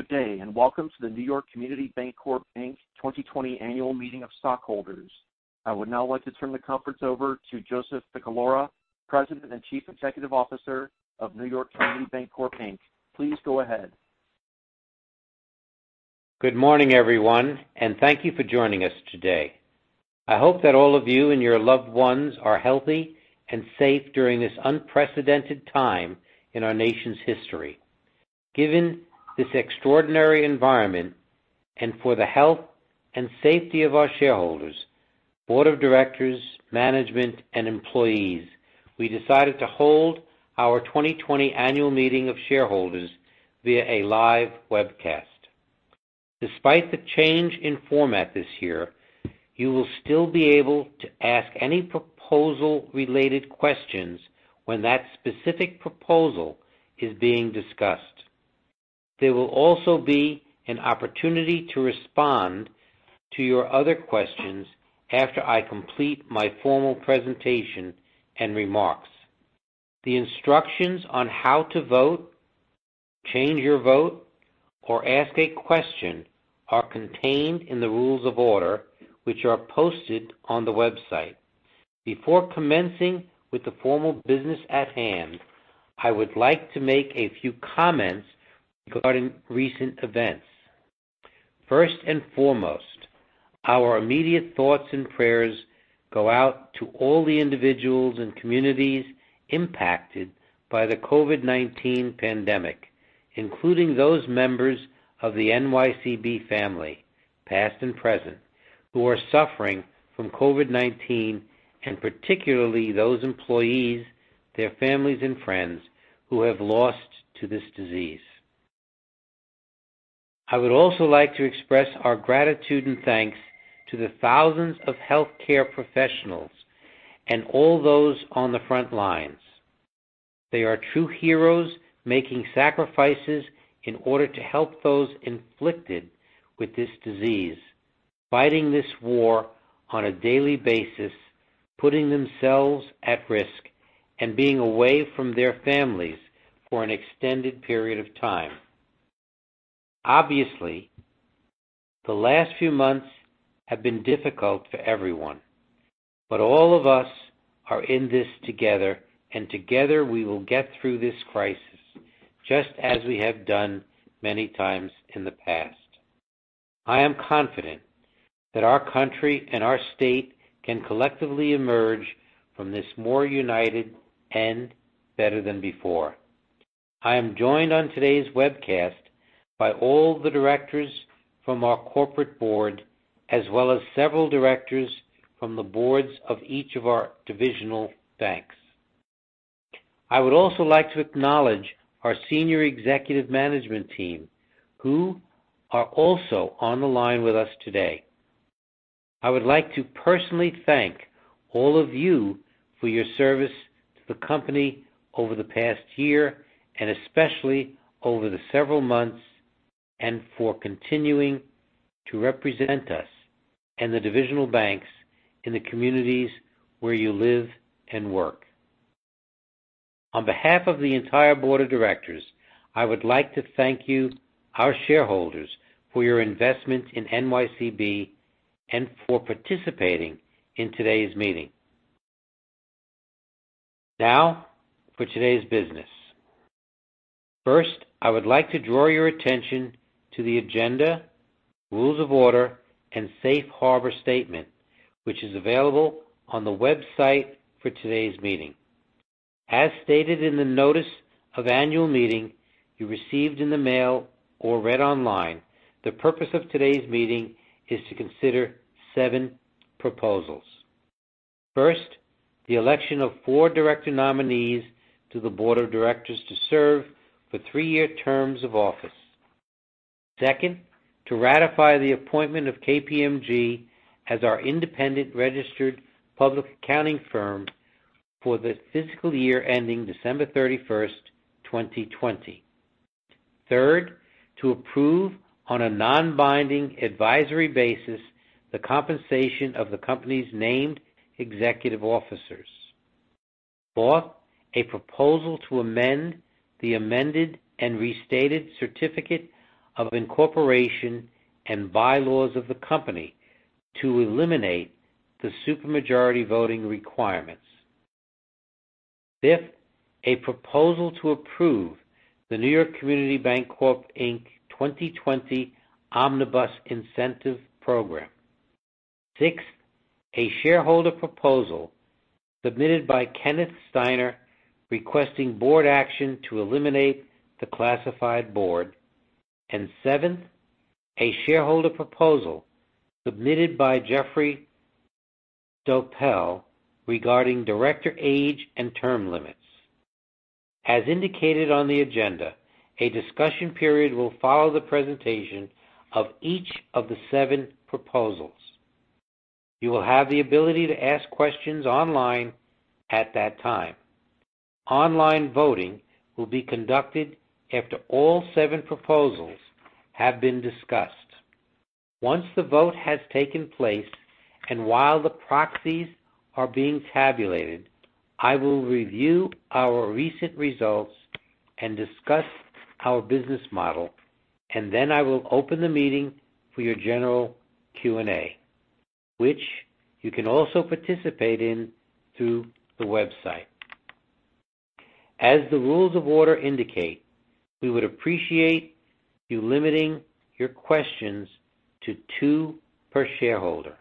Good day, and welcome to the New York Community Bancorp, Inc. 2020 Annual Meeting of Stockholders. I would now like to turn the conference over to Joseph R. Ficalora, President and Chief Executive Officer of New York Community Bancorp, Inc. Please go ahead. Good morning, everyone, and thank you for joining us today. I hope that all of you and your loved ones are healthy and safe during this unprecedented time in our nation's history. Given this extraordinary environment and for the health and safety of our shareholders, Board of Directors, management, and employees, we decided to hold our 2020 Annual Meeting of Shareholders via a live webcast. Despite the change in format this year, you will still be able to ask any proposal-related questions when that specific proposal is being discussed. There will also be an opportunity to respond to your other questions after I complete my formal presentation and remarks. The instructions on how to vote, change your vote, or ask a question are contained in the Rules of Order, which are posted on the website. Before commencing with the formal business at hand, I would like to make a few comments regarding recent events. First and foremost, our immediate thoughts and prayers go out to all the individuals and communities impacted by the COVID-19 pandemic, including those members of the NYCB family, past and present, who are suffering from COVID-19, and particularly those employees, their families, and friends who have lost to this disease. I would also like to express our gratitude and thanks to the thousands of healthcare professionals and all those on the front lines. They are true heroes making sacrifices in order to help those afflicted with this disease, fighting this war on a daily basis, putting themselves at risk, and being away from their families for an extended period of time. Obviously, the last few months have been difficult for everyone, but all of us are in this together, and together we will get through this crisis just as we have done many times in the past. I am confident that our country and our state can collectively emerge from this more united and better than before. I am joined on today's webcast by all the directors from our corporate board, as well as several directors from the boards of each of our divisional banks. I would also like to acknowledge our senior executive management team, who are also on the line with us today. I would like to personally thank all of you for your service to the company over the past year, and especially over the several months, and for continuing to represent us and the divisional banks in the communities where you live and work. On behalf of the entire board of directors, I would like to thank you, our shareholders, for your investment in NYCB and for participating in today's meeting. Now, for today's business. First, I would like to draw your attention to the agenda, Rules of Order, and Safe Harbor Statement, which is available on the website for today's meeting. As stated in the Notice of Annual Meeting you received in the mail or read online, the purpose of today's meeting is to consider seven proposals. First, the election of four director nominees to the board of directors to serve for three-year terms of office. Second, to ratify the appointment of KPMG as our independent registered public accounting firm for the fiscal year ending December 31st, 2020. Third, to approve on a non-binding advisory basis the compensation of the company's named executive officers. Fourth, a proposal to amend the amended and restated certificate of incorporation and bylaws of the company to eliminate the supermajority voting requirements. Fifth, a proposal to approve the New York Community Bancorp, Inc. 2020 Omnibus Incentive Program. Sixth, a shareholder proposal submitted by Kenneth Steiner requesting board action to eliminate the classified board. And seventh, a shareholder proposal submitted by Jeffrey Doppelt regarding director age and term limits. As indicated on the agenda, a discussion period will follow the presentation of each of the seven proposals. You will have the ability to ask questions online at that time. Online voting will be conducted after all seven proposals have been discussed. Once the vote has taken place and while the proxies are being tabulated, I will review our recent results and discuss our business model, and then I will open the meeting for your general Q&A, which you can also participate in through the website. As the Rules of Order indicate, we would appreciate you limiting your questions to two per shareholder.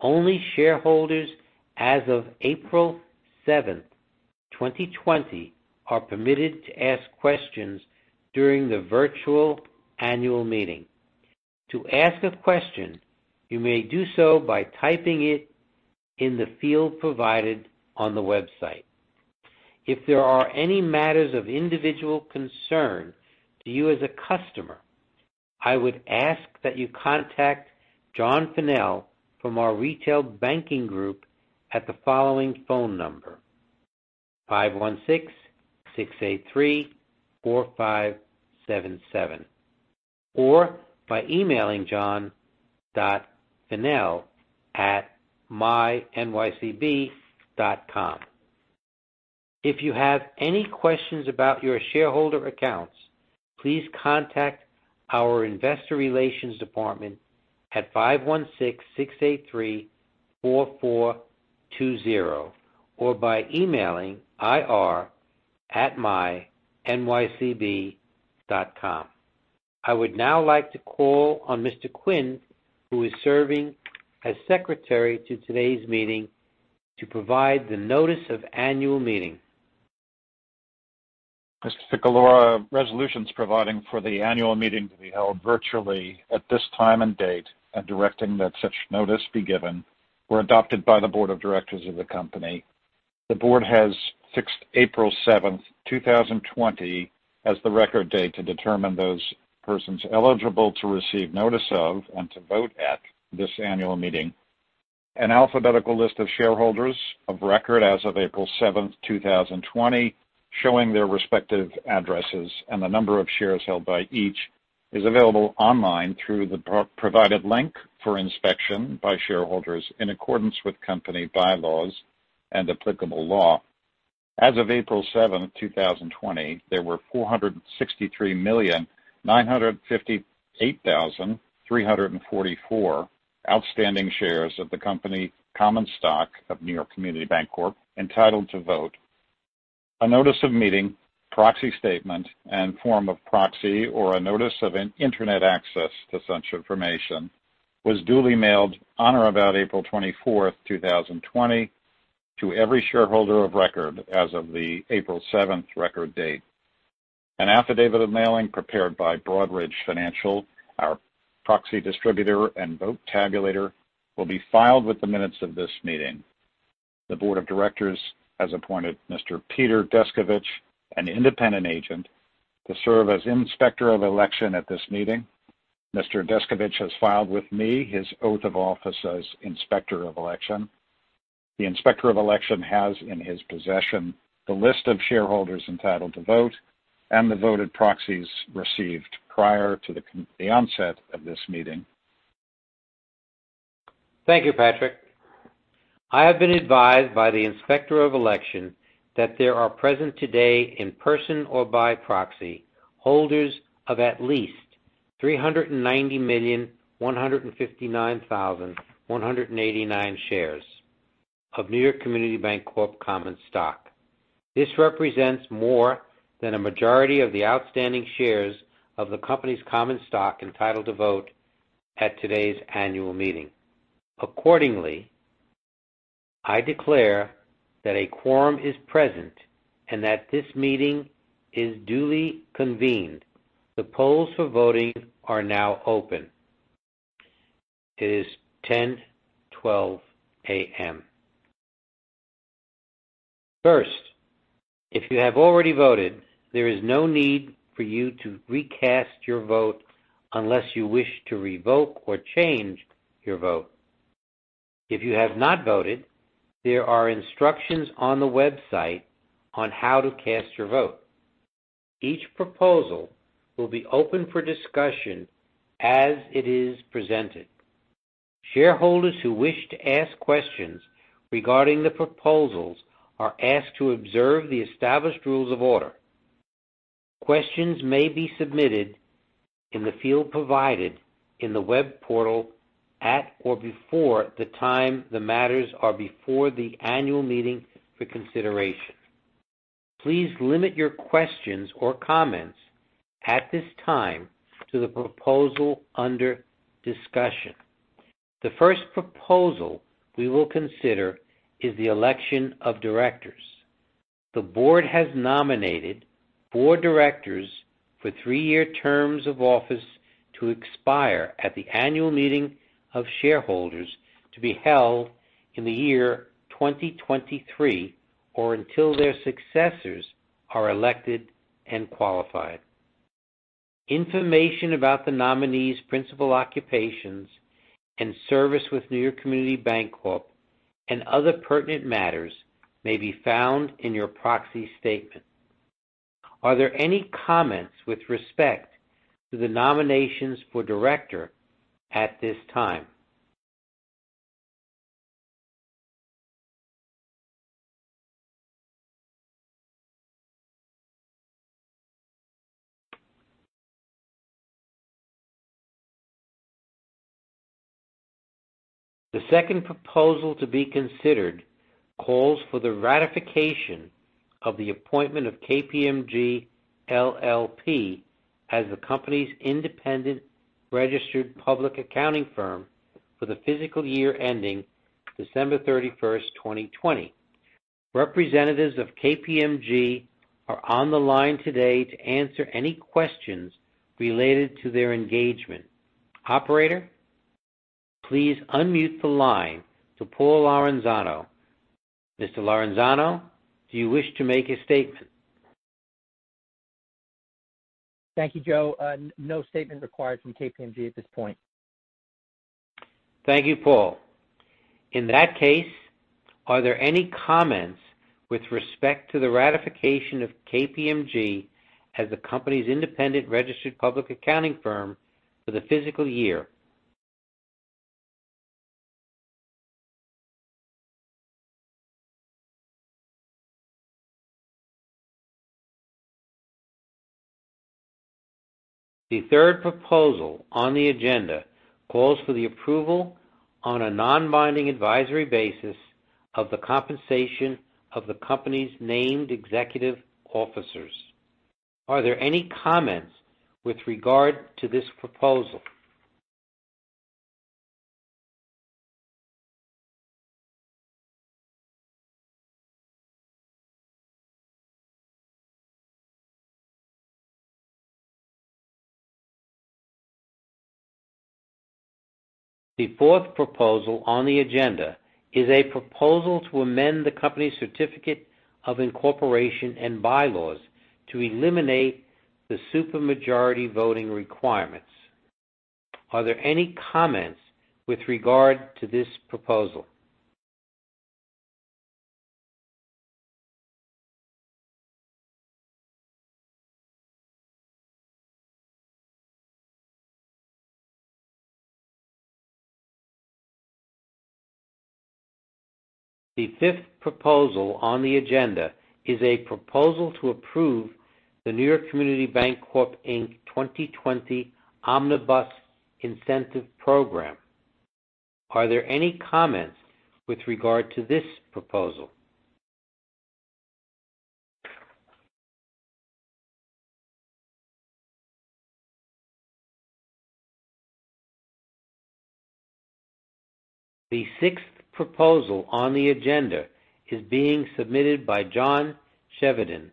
Only shareholders as of April 7th, 2020, are permitted to ask questions during the virtual annual meeting. To ask a question, you may do so by typing it in the field provided on the website. If there are any matters of individual concern to you as a customer, I would ask that you contact John J. Fennell from our retail banking group at the following phone number: 516-683-4577, or by emailing john.j.fennell@mynycb.com. If you have any questions about your shareholder accounts, please contact our investor relations department at 516-683-4420 or by emailing ir@mynycb.com. I would now like to call on Mr. Quinn, who is serving as secretary to today's meeting, to provide the Notice of Annual Meeting. Mr. Ficalora, resolutions providing for the annual meeting to be held virtually at this time and date and directing that such notice be given were adopted by the board of directors of the Company. The board has fixed April 7th, 2020, as the record date to determine those persons eligible to receive notice of and to vote at this annual meeting. An alphabetical list of shareholders of record as of April 7th, 2020, showing their respective addresses and the number of shares held by each, is available online through the provided link for inspection by shareholders in accordance with company bylaws and applicable law. As of April 7th, 2020, there were 463,958,344 outstanding shares of the Company Common Stock of New York Community Bancorp entitled to vote. A notice of meeting, proxy statement, and form of proxy or a notice of internet access to such information was duly mailed on or about April 24th, 2020, to every shareholder of record as of the April 7th record date. An affidavit of mailing prepared by Broadridge Financial, our proxy distributor and vote tabulator, will be filed with the minutes of this meeting. The board of directors has appointed Mr. Peter Descovich, an independent agent, to serve as inspector of election at this meeting. Mr. Descovich has filed with me his oath of office as inspector of election. The inspector of election has in his possession the list of shareholders entitled to vote and the voted proxies received prior to the onset of this meeting. Thank you, Patrick. I have been advised by the inspector of election that there are present today, in person or by proxy, holders of at least 390,159,189 shares of New York Community Bancorp Common Stock. This represents more than a majority of the outstanding shares of the company's Common Stock entitled to vote at today's annual meeting. Accordingly, I declare that a quorum is present and that this meeting is duly convened. The polls for voting are now open. It is 10:12 A.M. First, if you have already voted, there is no need for you to recast your vote unless you wish to revoke or change your vote. If you have not voted, there are instructions on the website on how to cast your vote. Each proposal will be open for discussion as it is presented. Shareholders who wish to ask questions regarding the proposals are asked to observe the established Rules of Order. Questions may be submitted in the field provided in the web portal at or before the time the matters are before the annual meeting for consideration. Please limit your questions or comments at this time to the proposal under discussion. The first proposal we will consider is the election of directors. The board has nominated board directors for three-year terms of office to expire at the annual meeting of shareholders to be held in the year 2023 or until their successors are elected and qualified. Information about the nominees' principal occupations and service with New York Community Bancorp and other pertinent matters may be found in your proxy statement. Are there any comments with respect to the nominations for director at this time? The second proposal to be considered calls for the ratification of the appointment of KPMG LLP as the company's independent registered public accounting firm for the fiscal year ending December 31st, 2020. Representatives of KPMG are on the line today to answer any questions related to their engagement. Operator, please unmute the line to Paul Lorenzano. Mr. Lorenzano, do you wish to make a statement? Thank you, Joe. No statement required from KPMG at this point. Thank you, Paul. In that case, are there any comments with respect to the ratification of KPMG as the company's independent registered public accounting firm for the fiscal year? The third proposal on the agenda calls for the approval on a non-binding advisory basis of the compensation of the company's named executive officers. Are there any comments with regard to this proposal? The fourth proposal on the agenda is a proposal to amend the company's certificate of incorporation and bylaws to eliminate the supermajority voting requirements. Are there any comments with regard to this proposal? The fifth proposal on the agenda is a proposal to approve the New York Community Bancorp Inc. 2020 Omnibus Incentive Program. Are there any comments with regard to this proposal? The sixth proposal on the agenda is being submitted by John Chevedden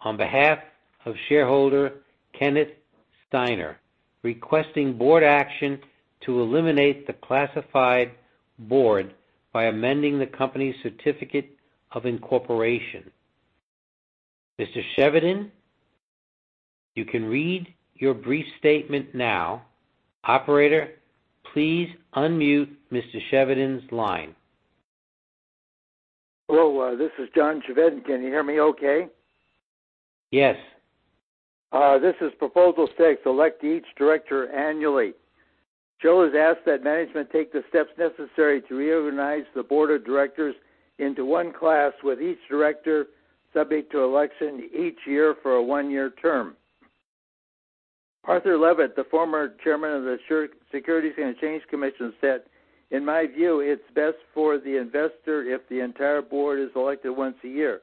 on behalf of shareholder Kenneth Steiner, requesting board action to eliminate the classified board by amending the company's certificate of incorporation. Mr. Chevedden, you can read your brief statement now. Operator, please unmute Mr. Chevedden's line. Hello, this is John Chevedden. Can you hear me okay? Yes. This is proposal six: elect each director annually. Joe has asked that management take the steps necessary to reorganize the board of directors into one class with each director subject to election each year for a one-year term. Arthur Levitt, the former chairman of the Securities and Exchange Commission, said, "In my view, it's best for the investor if the entire board is elected once a year.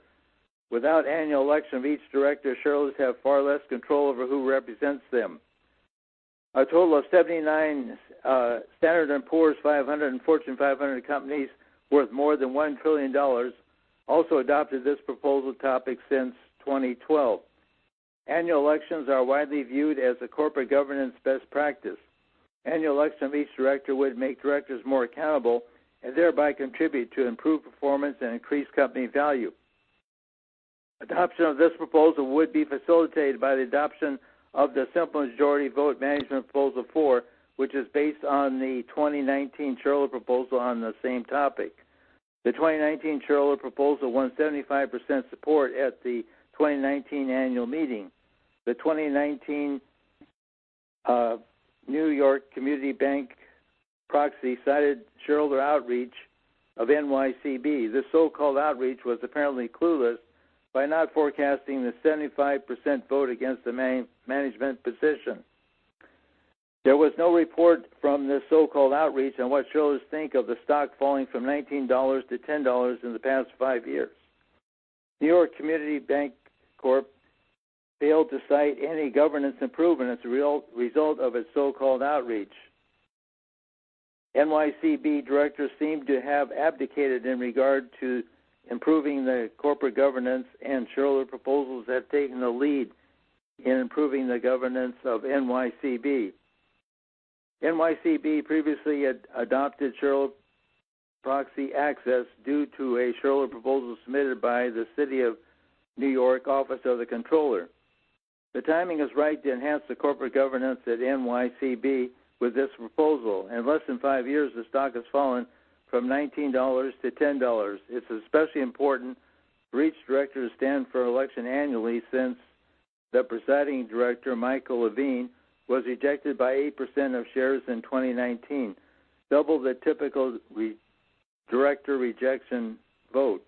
Without annual election of each director, shareholders have far less control over who represents them." A total of 79 Standard & Poor's 500 and Fortune 500 companies worth more than $1 trillion also adopted this proposal topic since 2012. Annual elections are widely viewed as the corporate governance best practice. Annual election of each director would make directors more accountable and thereby contribute to improved performance and increased company value. Adoption of this proposal would be facilitated by the adoption of the supermajority vote management proposal four, which is based on the 2019 shareholder proposal on the same topic. The 2019 shareholder proposal won 75% support at the 2019 annual meeting. The 2019 New York Community Bank proxy cited shareholder outreach of NYCB. This so-called outreach was apparently clueless by not forecasting the 75% vote against the management position. There was no report from this so-called outreach on what shareholders think of the stock falling from $19 to $10 in the past five years. New York Community Bancorp failed to cite any governance improvement as a result of its so-called outreach. NYCB directors seem to have abdicated in regard to improving the corporate governance, and shareholder proposals have taken the lead in improving the governance of NYCB. NYCB previously had adopted shareholder proxy access due to a shareholder proposal submitted by the City of New York Office of the Comptroller. The timing is right to enhance the corporate governance at NYCB with this proposal. In less than five years, the stock has fallen from $19 to $10. It's especially important that directors stand for election annually since the presiding director, Michael Levine, was rejected by 8% of shares in 2019, double the typical director rejection vote.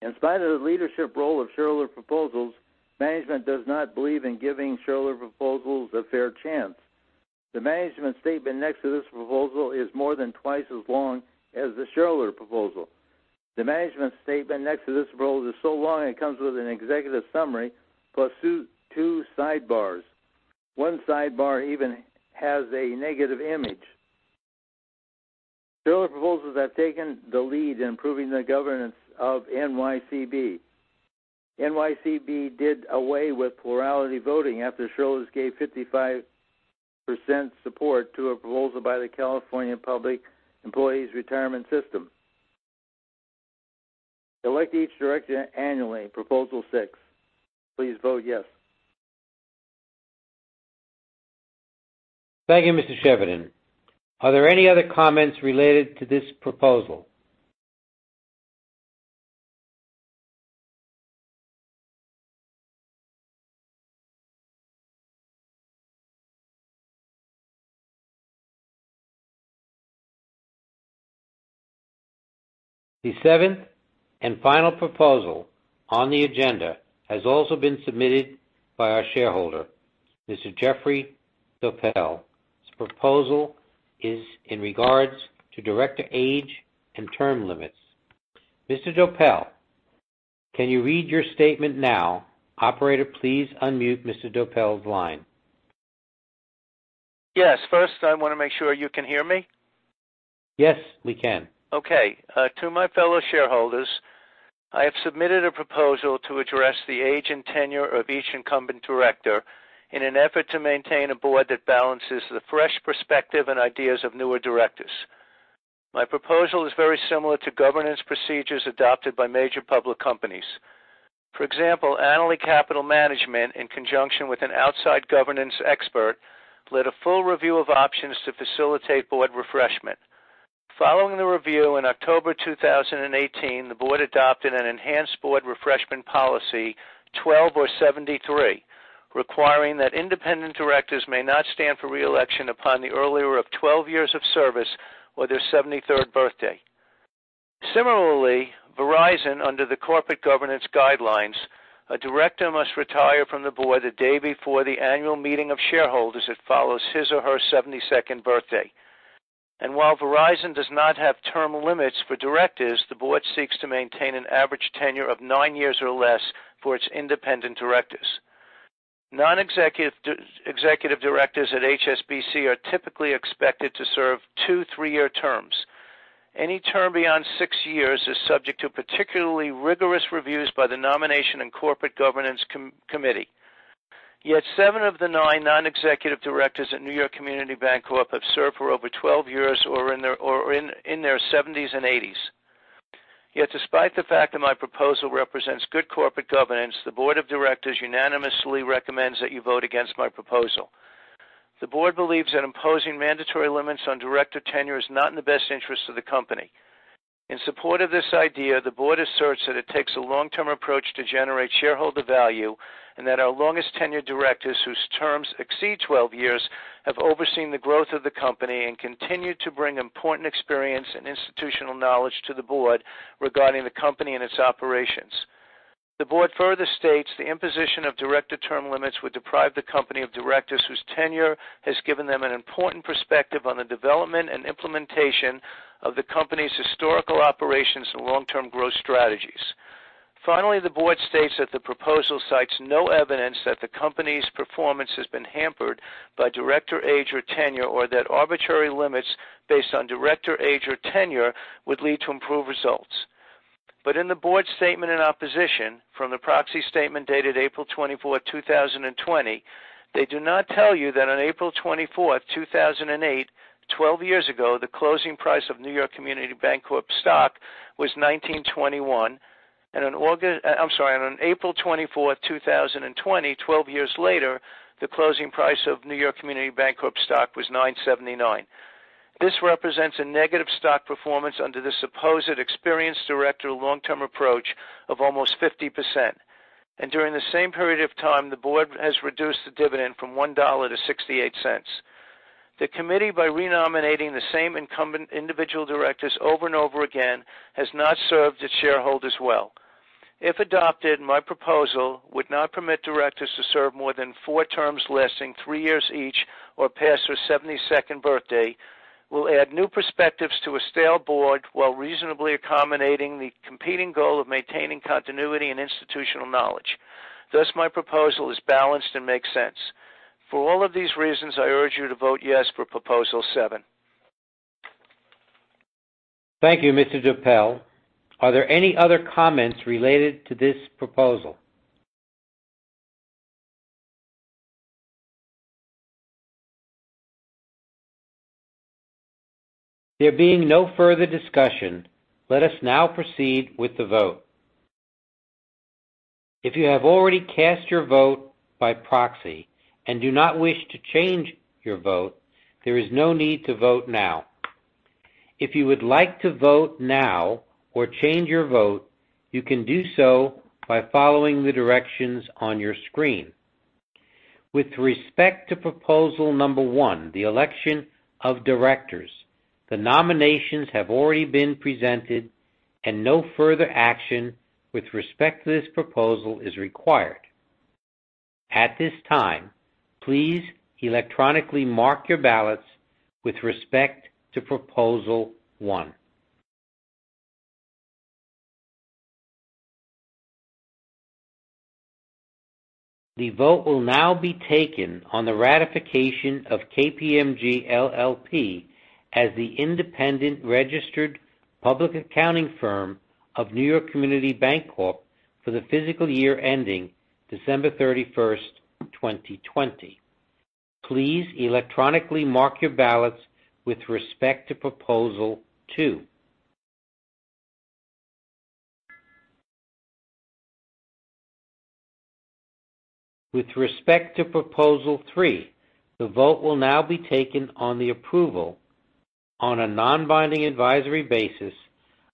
In spite of the leadership role of shareholder proposals, management does not believe in giving shareholder proposals a fair chance. The management statement next to this proposal is more than twice as long as the shareholder proposal. The management statement next to this proposal is so long it comes with an executive summary plus two sidebars. One sidebar even has a negative image. Shareholder proposals have taken the lead in improving the governance of NYCB. NYCB did away with plurality voting after shareholders gave 55% support to a proposal by the California Public Employees' Retirement System. Elect each director annually, proposal six. Please vote yes. Thank you, Mr. Chevedden. Are there any other comments related to this proposal? The seventh and final proposal on the agenda has also been submitted by our shareholder, Mr. Jeffrey Doppelt. His proposal is in regards to director age and term limits. Mr. Doppelt, can you read your statement now? Operator, please unmute Mr. Doppelt's line. Yes. First, I want to make sure you can hear me. Yes, we can. Okay. To my fellow shareholders, I have submitted a proposal to address the age and tenure of each incumbent director in an effort to maintain a board that balances the fresh perspective and ideas of newer directors. My proposal is very similar to governance procedures adopted by major public companies. For example, Annaly Capital Management, in conjunction with an outside governance expert, led a full review of options to facilitate board refreshment. Following the review in October 2018, the board adopted an enhanced board refreshment policy, 12 or 73, requiring that independent directors may not stand for reelection upon the earlier of 12 years of service or their 73rd birthday. Similarly, Verizon, under the corporate governance guidelines, a director must retire from the board the day before the annual meeting of shareholders that follows his or her 72nd birthday. And while Verizon does not have term limits for directors, the board seeks to maintain an average tenure of nine years or less for its independent directors. Non-executive directors at HSBC are typically expected to serve two three-year terms. Any term beyond six years is subject to particularly rigorous reviews by the nomination and corporate governance committee. Yet seven of the nine non-executive directors at New York Community Bancorp have served for over 12 years or in their 70s and 80s. Yet despite the fact that my proposal represents good corporate governance, the board of directors unanimously recommends that you vote against my proposal. The board believes that imposing mandatory limits on director tenure is not in the best interest of the company. In support of this idea, the board asserts that it takes a long-term approach to generate shareholder value and that our longest-tenured directors whose terms exceed 12 years have overseen the growth of the company and continued to bring important experience and institutional knowledge to the board regarding the company and its operations. The board further states the imposition of director term limits would deprive the company of directors whose tenure has given them an important perspective on the development and implementation of the company's historical operations and long-term growth strategies. Finally, the board states that the proposal cites no evidence that the company's performance has been hampered by director age or tenure or that arbitrary limits based on director age or tenure would lead to improved results. In the board statement in opposition from the proxy statement dated April 24, 2020, they do not tell you that on April 24, 2008, 12 years ago, the closing price of New York Community Bancorp stock was $19.21, and I'm sorry, on April 24, 2020, 12 years later, the closing price of New York Community Bancorp stock was $9.79. This represents a negative stock performance under the supposed experienced director long-term approach of almost 50%, and during the same period of time, the board has reduced the dividend from $1 to $0.68. The committee, by re-nominating the same incumbent individual directors over and over again, has not served its shareholders well. If adopted, my proposal would not permit directors to serve more than four terms less than three years each or past their 72nd birthday. Will add new perspectives to a stale board while reasonably accommodating the competing goal of maintaining continuity and institutional knowledge. Thus, my proposal is balanced and makes sense. For all of these reasons, I urge you to vote yes for proposal seven. Thank you, Mr. Doppelt. Are there any other comments related to this proposal? There being no further discussion, let us now proceed with the vote. If you have already cast your vote by proxy and do not wish to change your vote, there is no need to vote now. If you would like to vote now or change your vote, you can do so by following the directions on your screen. With respect to proposal number one, the election of directors, the nominations have already been presented, and no further action with respect to this proposal is required. At this time, please electronically mark your ballots with respect to proposal one. The vote will now be taken on the ratification of KPMG LLP as the independent registered public accounting firm of New York Community Bancorp for the fiscal year ending December 31, 2020. Please electronically mark your ballots with respect to proposal two. With respect to proposal three, the vote will now be taken on the approval, on a non-binding advisory basis,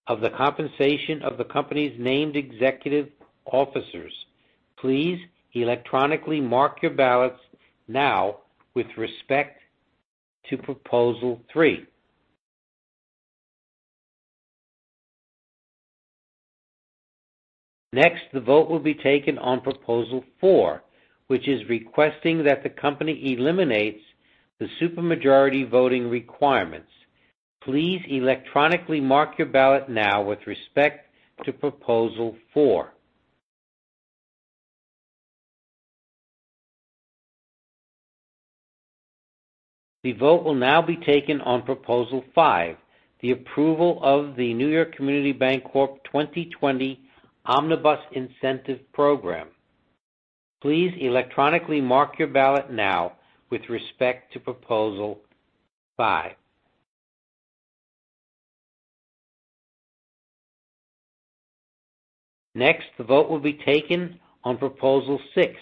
of the compensation of the company's named executive officers. Please electronically mark your ballots now with respect to proposal three. Next, the vote will be taken on proposal four, which is requesting that the company eliminates the supermajority voting requirements. Please electronically mark your ballot now with respect to proposal four. The vote will now be taken on proposal five, the approval of the New York Community Bancorp 2020 Omnibus Incentive Program. Please electronically mark your ballot now with respect to proposal five. Next, the vote will be taken on proposal six,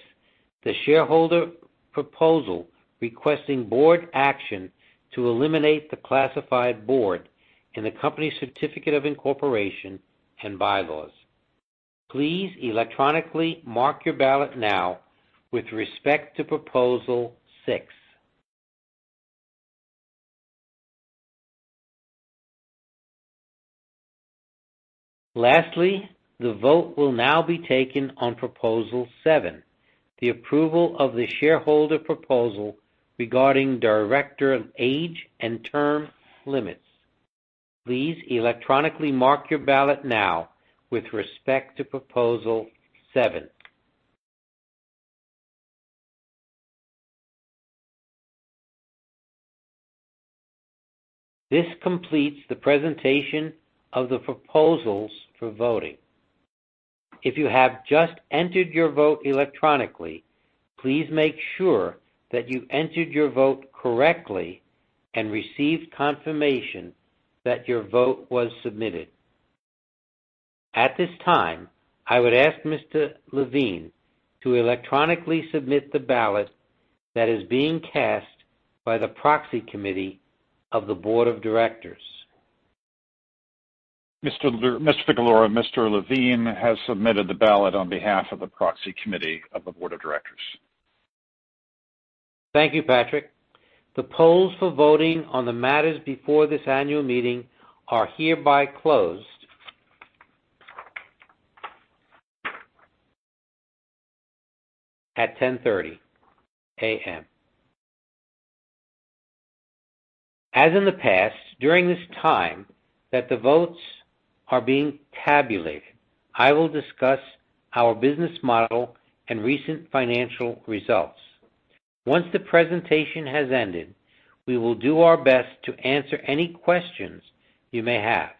the shareholder proposal requesting board action to eliminate the classified board and the company's certificate of incorporation and bylaws. Please electronically mark your ballot now with respect to proposal six. Lastly, the vote will now be taken on proposal seven, the approval of the shareholder proposal regarding director age and term limits. Please electronically mark your ballot now with respect to proposal seven. This completes the presentation of the proposals for voting. If you have just entered your vote electronically, please make sure that you entered your vote correctly and received confirmation that your vote was submitted. At this time, I would ask Mr. Levine to electronically submit the ballot that is being cast by the proxy committee of the board of directors. Mr. Levine has submitted the ballot on behalf of the proxy committee of the board of directors. Thank you, Patrick. The polls for voting on the matters before this annual meeting are hereby closed at 10:30 A.M. As in the past, during this time that the votes are being tabulated, I will discuss our business model and recent financial results. Once the presentation has ended, we will do our best to answer any questions you may have.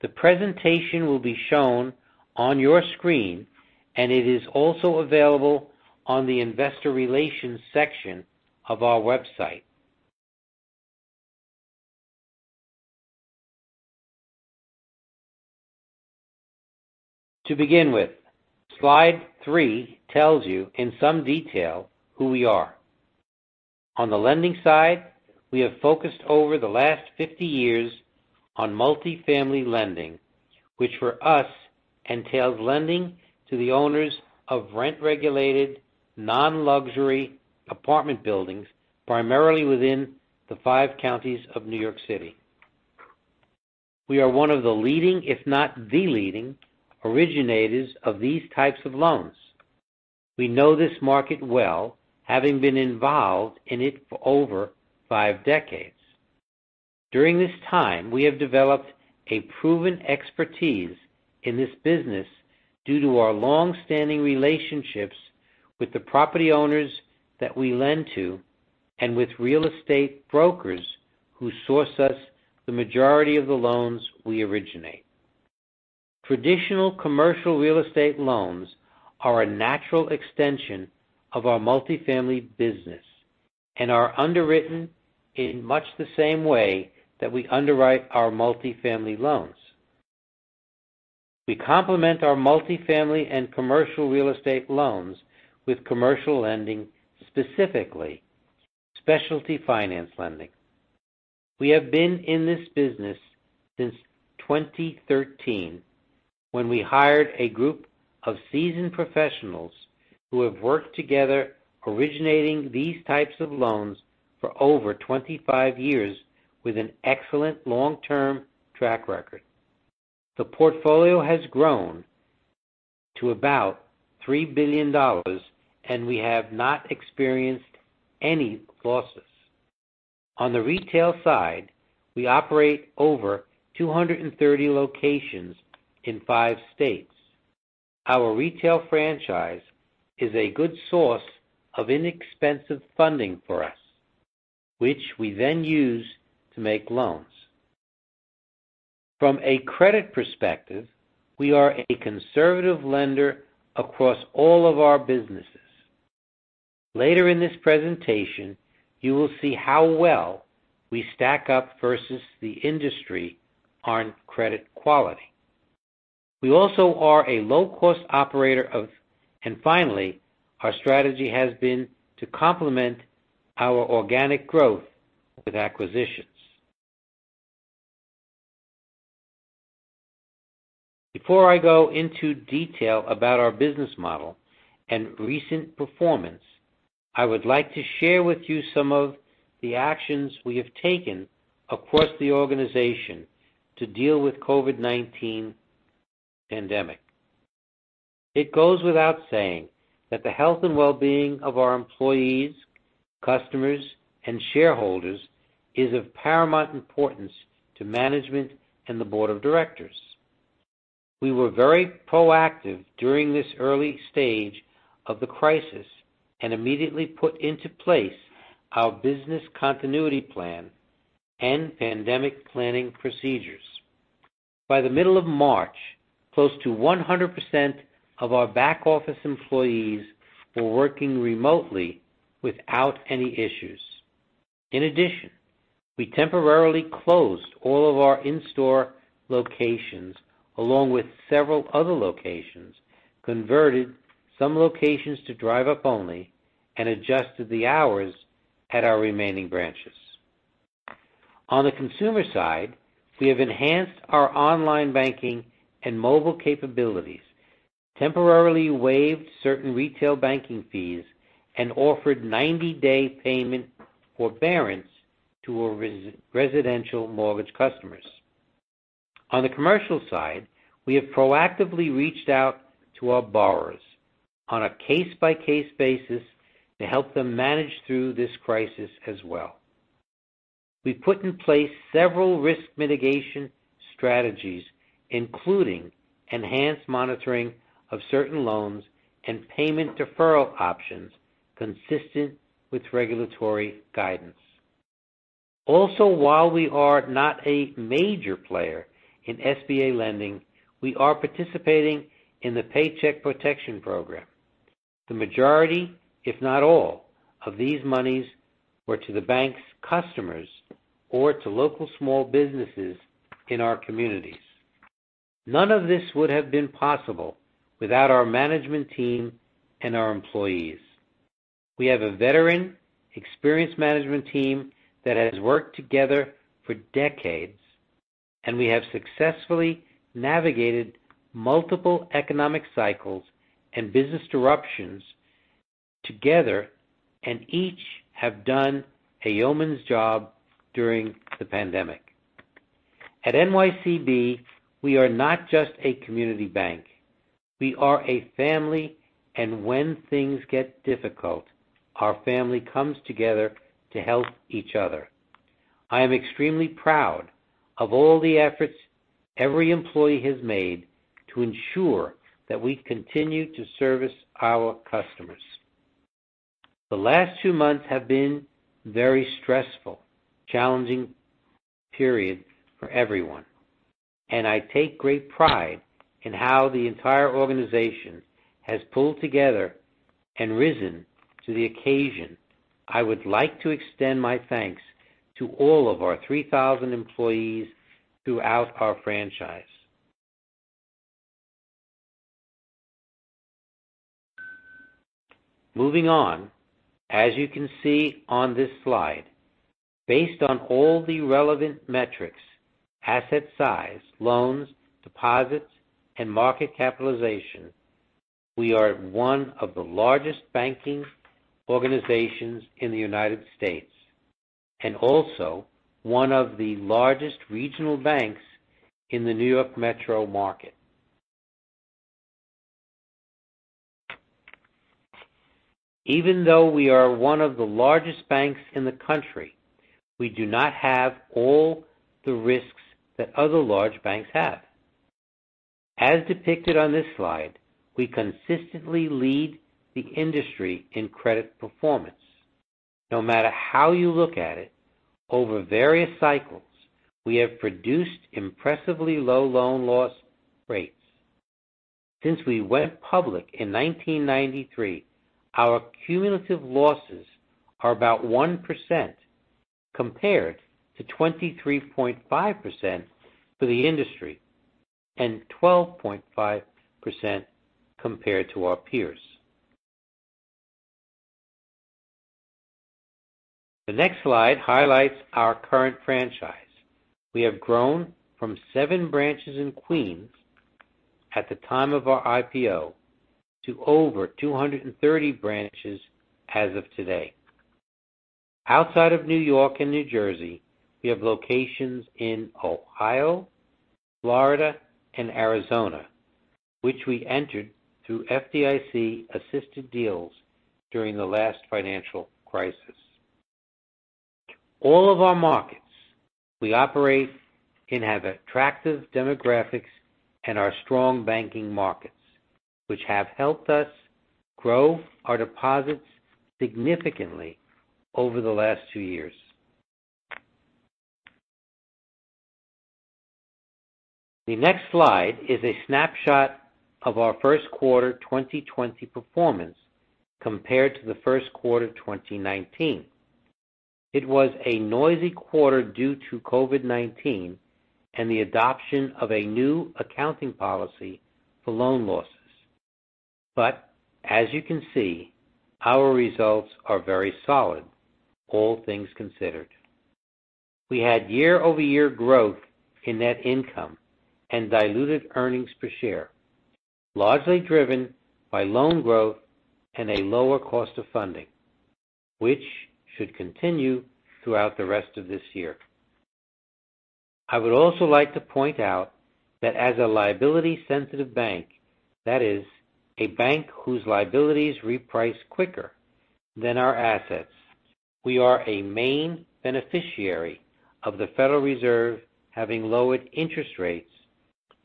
The presentation will be shown on your screen, and it is also available on the investor relations section of our website. To begin with, slide three tells you in some detail who we are. On the lending side, we have focused over the last 50 years on multifamily lending, which for us entails lending to the owners of rent-regulated non-luxury apartment buildings, primarily within the five counties of New York City. We are one of the leading, if not the leading, originators of these types of loans. We know this market well, having been involved in it for over five decades. During this time, we have developed a proven expertise in this business due to our long-standing relationships with the property owners that we lend to and with real estate brokers who source us the majority of the loans we originate. Traditional commercial real estate loans are a natural extension of our multifamily business and are underwritten in much the same way that we underwrite our multifamily loans. We complement our multifamily and commercial real estate loans with commercial lending, specifically specialty finance lending. We have been in this business since 2013 when we hired a group of seasoned professionals who have worked together, originating these types of loans for over 25 years with an excellent long-term track record. The portfolio has grown to about $3 billion, and we have not experienced any losses. On the retail side, we operate over 230 locations in five states. Our retail franchise is a good source of inexpensive funding for us, which we then use to make loans. From a credit perspective, we are a conservative lender across all of our businesses. Later in this presentation, you will see how well we stack up versus the industry on credit quality. We also are a low-cost operator, and finally, our strategy has been to complement our organic growth with acquisitions. Before I go into detail about our business model and recent performance, I would like to share with you some of the actions we have taken across the organization to deal with the COVID-19 pandemic. It goes without saying that the health and well-being of our employees, customers, and shareholders is of paramount importance to management and the board of directors. We were very proactive during this early stage of the crisis and immediately put into place our business continuity plan and pandemic planning procedures. By the middle of March, close to 100% of our back office employees were working remotely without any issues. In addition, we temporarily closed all of our in-store locations along with several other locations, converted some locations to drive-up only, and adjusted the hours at our remaining branches. On the consumer side, we have enhanced our online banking and mobile capabilities, temporarily waived certain retail banking fees, and offered 90-day payment forbearance to our residential mortgage customers. On the commercial side, we have proactively reached out to our borrowers on a case-by-case basis to help them manage through this crisis as well. We've put in place several risk mitigation strategies, including enhanced monitoring of certain loans and payment deferral options consistent with regulatory guidance. Also, while we are not a major player in SBA lending, we are participating in the Paycheck Protection Program. The majority, if not all, of these monies were to the bank's customers or to local small businesses in our communities. None of this would have been possible without our management team and our employees. We have a veteran, experienced management team that has worked together for decades, and we have successfully navigated multiple economic cycles and business disruptions together and each have done a yeoman's job during the pandemic. At NYCB, we are not just a community bank. We are a family, and when things get difficult, our family comes together to help each other. I am extremely proud of all the efforts every employee has made to ensure that we continue to service our customers. The last two months have been a very stressful, challenging period for everyone, and I take great pride in how the entire organization has pulled together and risen to the occasion. I would like to extend my thanks to all of our 3,000 employees throughout our franchise. Moving on, as you can see on this slide, based on all the relevant metrics: asset size, loans, deposits, and market capitalization, we are one of the largest banking organizations in the United States and also one of the largest regional banks in the New York metro market. Even though we are one of the largest banks in the country, we do not have all the risks that other large banks have. As depicted on this slide, we consistently lead the industry in credit performance. No matter how you look at it, over various cycles, we have produced impressively low loan loss rates. Since we went public in 1993, our cumulative losses are about 1% compared to 23.5% for the industry and 12.5% compared to our peers. The next slide highlights our current franchise. We have grown from seven branches in Queens at the time of our IPO to over 230 branches as of today. Outside of New York and New Jersey, we have locations in Ohio, Florida, and Arizona, which we entered through FDIC-assisted deals during the last financial crisis. All of our markets we operate in have attractive demographics and are strong banking markets, which have helped us grow our deposits significantly over the last two years. The next slide is a snapshot of our first quarter 2020 performance compared to the first quarter 2019. It was a noisy quarter due to COVID-19 and the adoption of a new accounting policy for loan losses. But as you can see, our results are very solid, all things considered. We had year-over-year growth in net income and diluted earnings per share, largely driven by loan growth and a lower cost of funding, which should continue throughout the rest of this year. I would also like to point out that as a liability-sensitive bank, that is, a bank whose liabilities reprice quicker than our assets, we are a main beneficiary of the Federal Reserve having lowered interest rates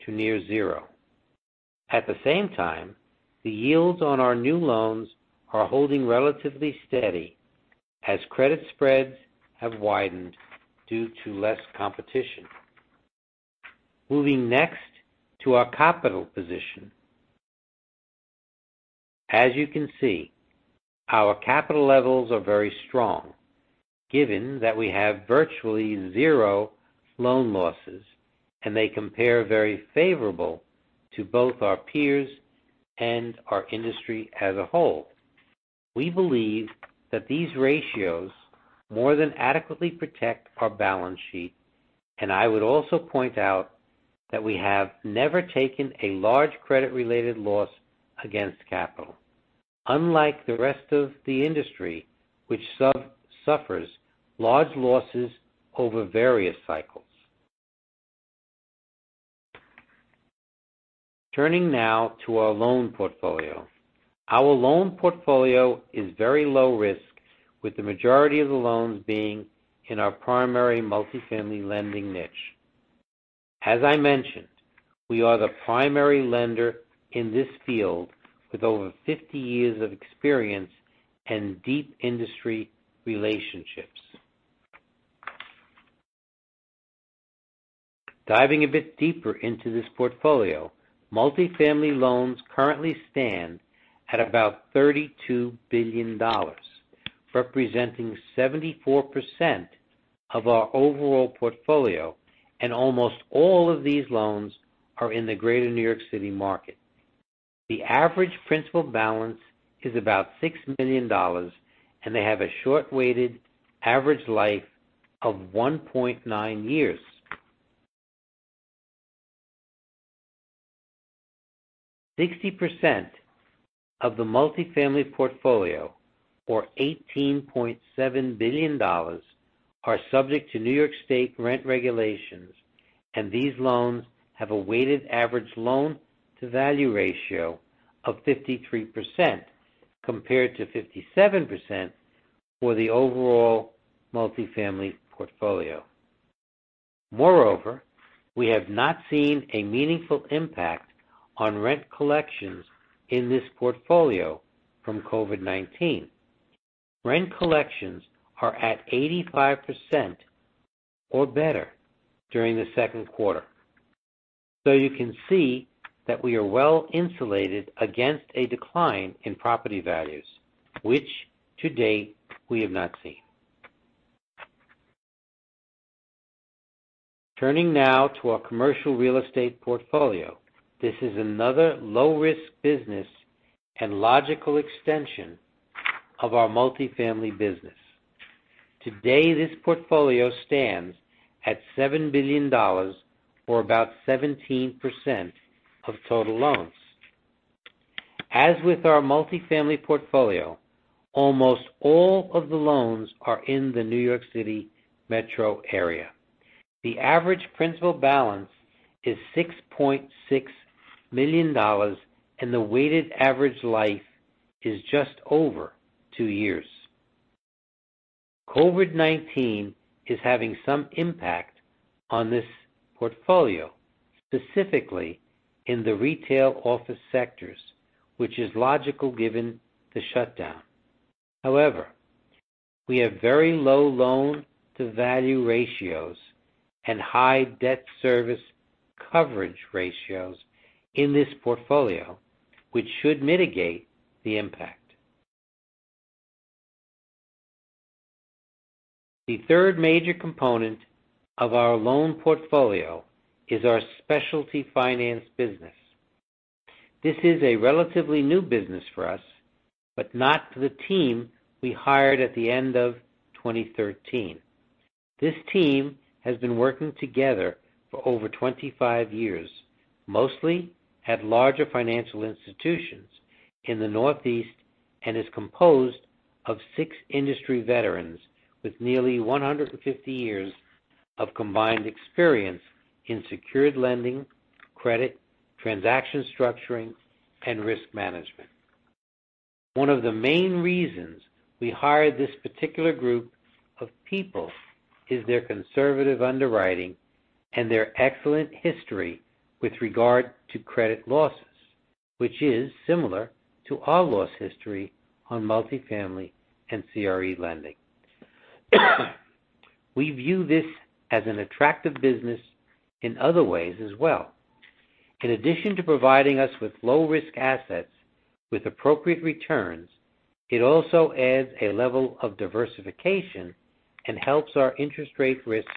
to near zero. At the same time, the yields on our new loans are holding relatively steady as credit spreads have widened due to less competition. Moving next to our capital position. As you can see, our capital levels are very strong, given that we have virtually zero loan losses, and they compare very favorably to both our peers and our industry as a whole. We believe that these ratios more than adequately protect our balance sheet, and I would also point out that we have never taken a large credit-related loss against capital, unlike the rest of the industry, which suffers large losses over various cycles. Turning now to our loan portfolio. Our loan portfolio is very low risk, with the majority of the loans being in our primary multifamily lending niche. As I mentioned, we are the primary lender in this field with over 50 years of experience and deep industry relationships. Diving a bit deeper into this portfolio, multifamily loans currently stand at about $32 billion, representing 74% of our overall portfolio, and almost all of these loans are in the greater New York City market. The average principal balance is about $6 million, and they have a short-weighted average life of 1.9 years. 60% of the multifamily portfolio, or $18.7 billion, are subject to New York State rent regulations, and these loans have a weighted average loan-to-value ratio of 53% compared to 57% for the overall multifamily portfolio. Moreover, we have not seen a meaningful impact on rent collections in this portfolio from COVID-19. Rent collections are at 85% or better during the second quarter. So you can see that we are well insulated against a decline in property values, which to date we have not seen. Turning now to our commercial real estate portfolio. This is another low-risk business and logical extension of our multifamily business. Today, this portfolio stands at $7 billion, or about 17% of total loans. As with our multifamily portfolio, almost all of the loans are in the New York City metro area. The average principal balance is $6.6 million, and the weighted average life is just over two years. COVID-19 is having some impact on this portfolio, specifically in the retail office sectors, which is logical given the shutdown. However, we have very low loan-to-value ratios and high debt service coverage ratios in this portfolio, which should mitigate the impact. The third major component of our loan portfolio is our specialty finance business. This is a relatively new business for us, but not for the team we hired at the end of 2013. This team has been working together for over 25 years, mostly at larger financial institutions in the Northeast, and is composed of six industry veterans with nearly 150 years of combined experience in secured lending, credit, transaction structuring, and risk management. One of the main reasons we hired this particular group of people is their conservative underwriting and their excellent history with regard to credit losses, which is similar to our loss history on multifamily and CRE lending. We view this as an attractive business in other ways as well. In addition to providing us with low-risk assets with appropriate returns, it also adds a level of diversification and helps our interest rate risk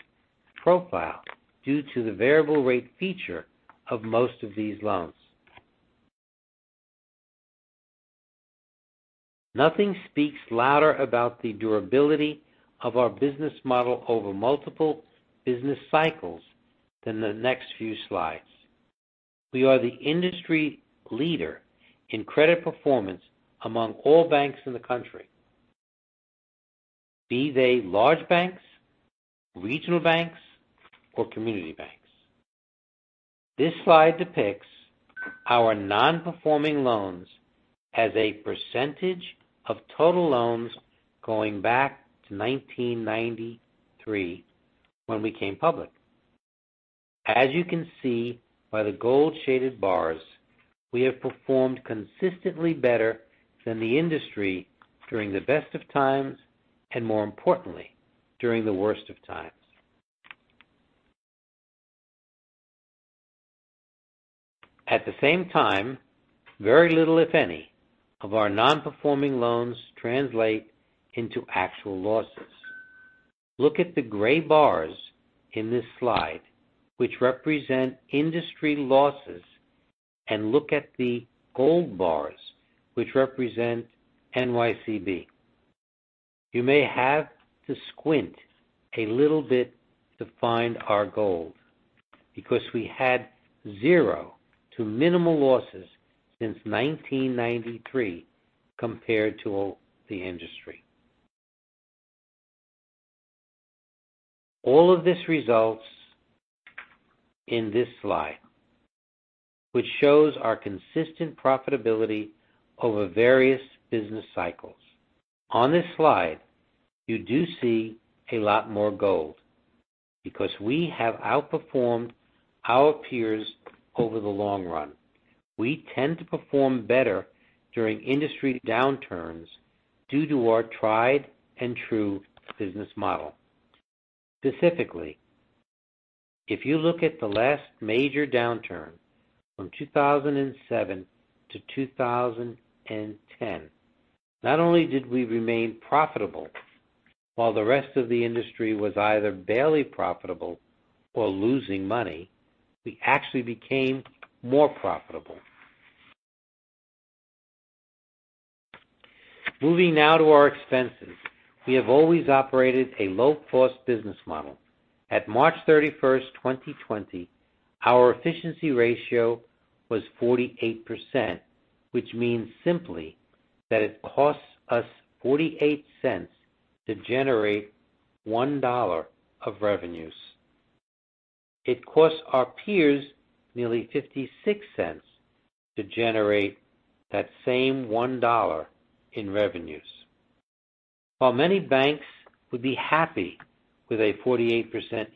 profile due to the variable rate feature of most of these loans. Nothing speaks louder about the durability of our business model over multiple business cycles than the next few slides. We are the industry leader in credit performance among all banks in the country, be they large banks, regional banks, or community banks. This slide depicts our non-performing loans as a percentage of total loans going back to 1993 when we came public. As you can see by the gold-shaded bars, we have performed consistently better than the industry during the best of times and, more importantly, during the worst of times. At the same time, very little, if any, of our non-performing loans translate into actual losses. Look at the gray bars in this slide, which represent industry losses, and look at the gold bars, which represent NYCB. You may have to squint a little bit to find our gold because we had zero to minimal losses since 1993 compared to the industry. All of this results in this slide, which shows our consistent profitability over various business cycles. On this slide, you do see a lot more gold because we have outperformed our peers over the long run. We tend to perform better during industry downturns due to our tried-and-true business model. Specifically, if you look at the last major downturn from 2007 to 2010, not only did we remain profitable while the rest of the industry was either barely profitable or losing money, we actually became more profitable. Moving now to our expenses. We have always operated a low-cost business model. At March 31st, 2020, our efficiency ratio was 48%, which means simply that it costs us 48 cents to generate $1 of revenues. It costs our peers nearly 56 cents to generate that same $1 in revenues. While many banks would be happy with a 48%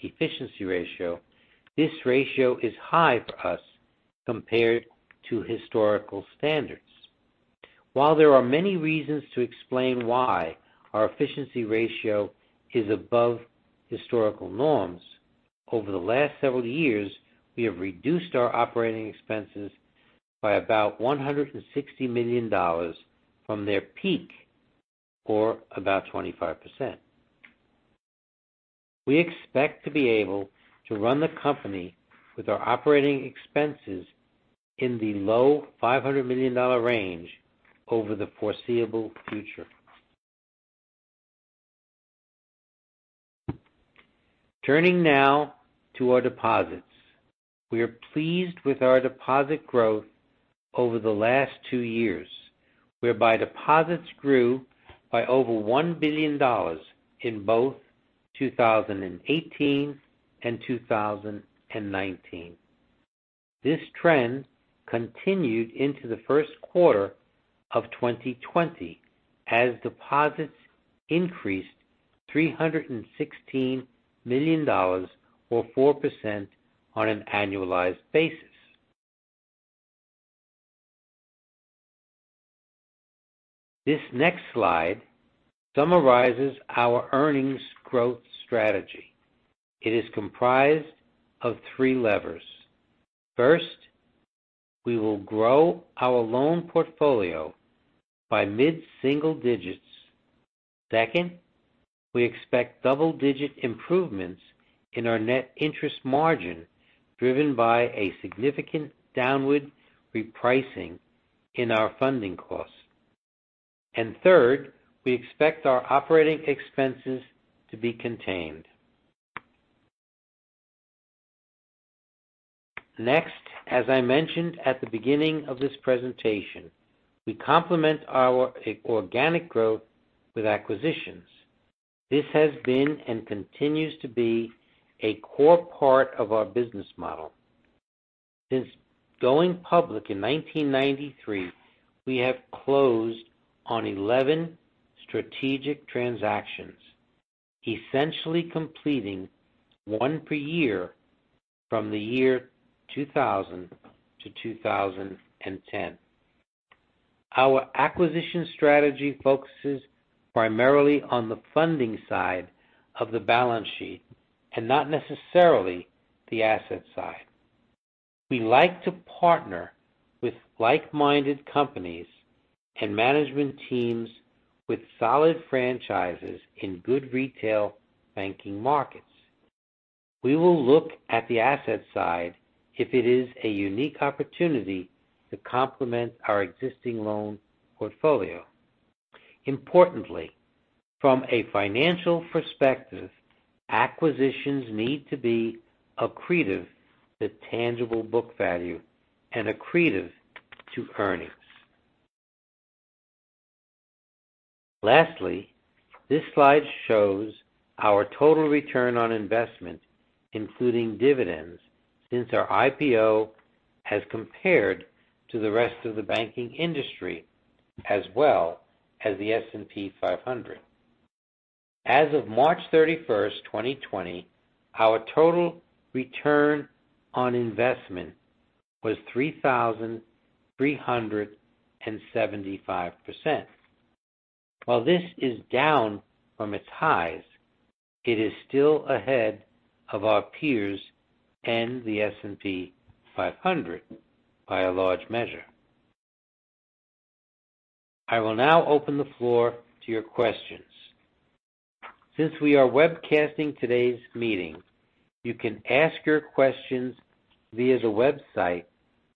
efficiency ratio, this ratio is high for us compared to historical standards. While there are many reasons to explain why our efficiency ratio is above historical norms, over the last several years, we have reduced our operating expenses by about $160 million from their peak, or about 25%. We expect to be able to run the company with our operating expenses in the low $500 million range over the foreseeable future. Turning now to our deposits. We are pleased with our deposit growth over the last two years, whereby deposits grew by over $1 billion in both 2018 and 2019. This trend continued into the first quarter of 2020 as deposits increased $316 million, or 4% on an annualized basis. This next slide summarizes our earnings growth strategy. It is comprised of three levers. First, we will grow our loan portfolio by mid-single digits. Second, we expect double-digit improvements in our net interest margin driven by a significant downward repricing in our funding costs. And third, we expect our operating expenses to be contained. Next, as I mentioned at the beginning of this presentation, we complement our organic growth with acquisitions. This has been and continues to be a core part of our business model. Since going public in 1993, we have closed on 11 strategic transactions, essentially completing one per year from the year 2000 to 2010. Our acquisition strategy focuses primarily on the funding side of the balance sheet and not necessarily the asset side. We like to partner with like-minded companies and management teams with solid franchises in good retail banking markets. We will look at the asset side if it is a unique opportunity to complement our existing loan portfolio. Importantly, from a financial perspective, acquisitions need to be accretive to tangible book value and accretive to earnings. Lastly, this slide shows our total return on investment, including dividends, since our IPO has compared to the rest of the banking industry, as well as the S&P 500. As of March 31st, 2020, our total return on investment was 3,375%. While this is down from its highs, it is still ahead of our peers and the S&P 500 by a large measure. I will now open the floor to your questions. Since we are webcasting today's meeting, you can ask your questions via the website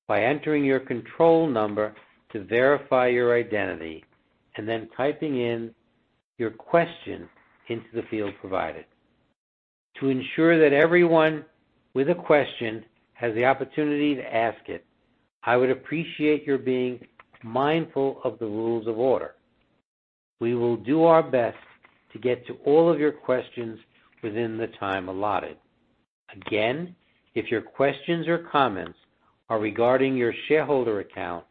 by entering your control number to verify your identity and then typing in your question into the field provided. To ensure that everyone with a question has the opportunity to ask it, I would appreciate your being mindful of the rules of order. We will do our best to get to all of your questions within the time allotted. Again, if your questions or comments are regarding your shareholder account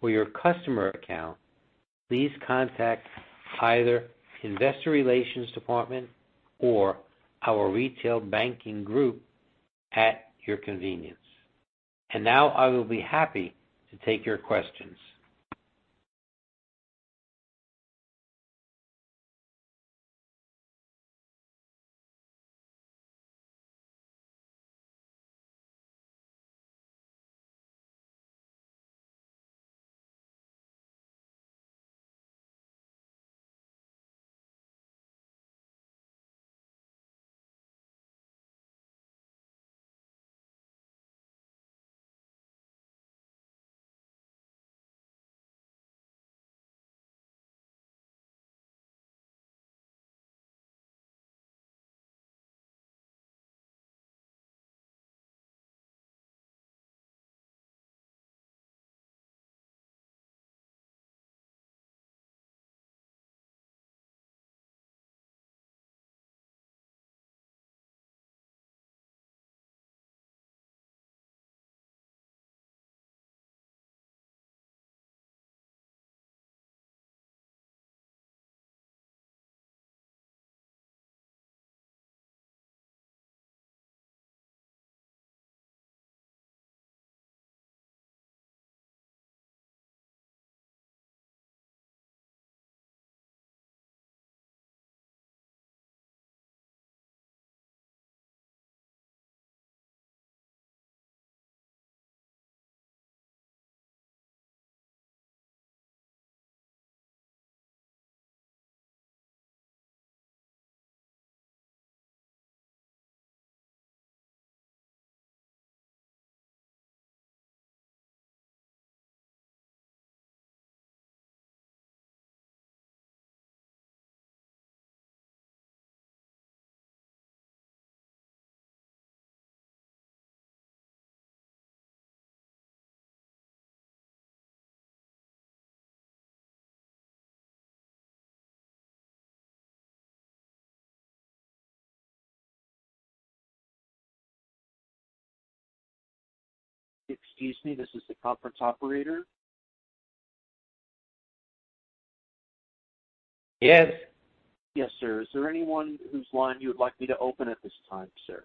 or your customer account, please contact either the investor relations department or our retail banking group at your convenience. And now I will be happy to take your questions. Excuse me, this is the conference operator. Yes. Yes, sir. Is there anyone whose line you would like me to open at this time, sir?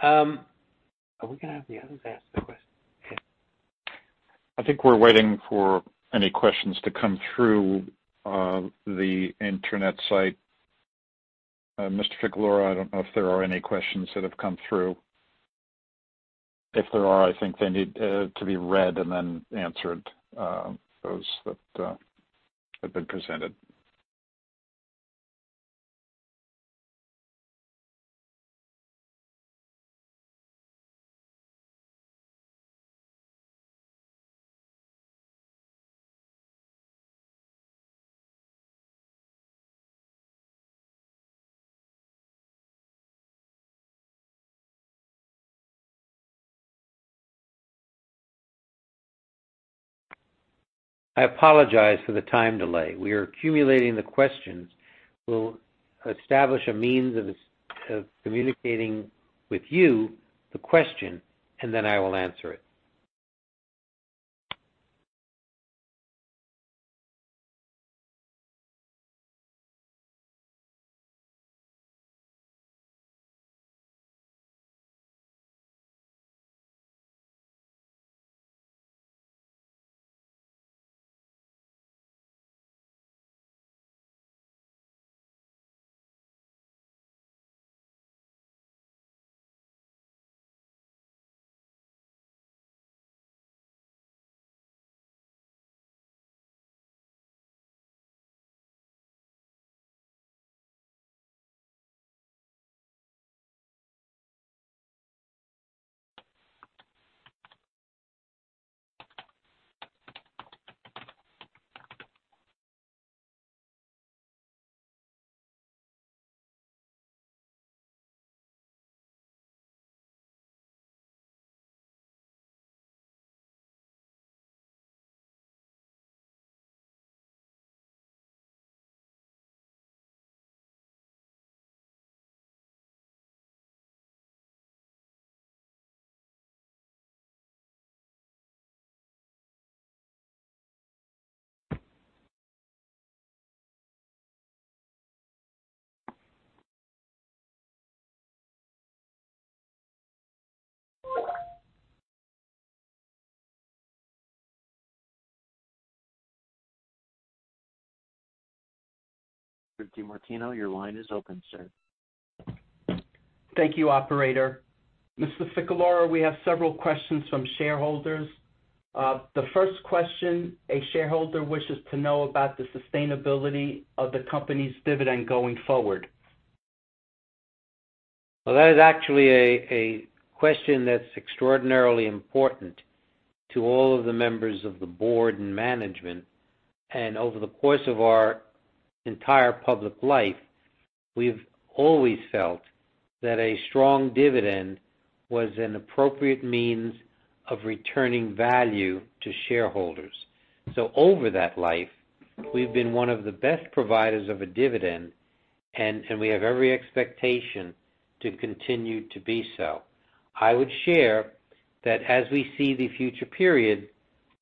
Are we going to have the others ask the question? I think we're waiting for any questions to come through the internet site. Mr. Ficalora, I don't know if there are any questions that have come through. If there are, I think they need to be read and then answered, those that have been presented. I apologize for the time delay. We are accumulating the questions. We'll establish a means of communicating with you the question, and then I will answer it. Mr. DiMartino, your line is open, sir. Thank you, operator. Mr. Ficalora, we have several questions from shareholders. The first question, a shareholder wishes to know about the sustainability of the company's dividend going forward. Well, that is actually a question that's extraordinarily important to all of the members of the board and management, and over the course of our entire public life, we've always felt that a strong dividend was an appropriate means of returning value to shareholders, so over that life, we've been one of the best providers of a dividend, and we have every expectation to continue to be so. I would share that as we see the future period,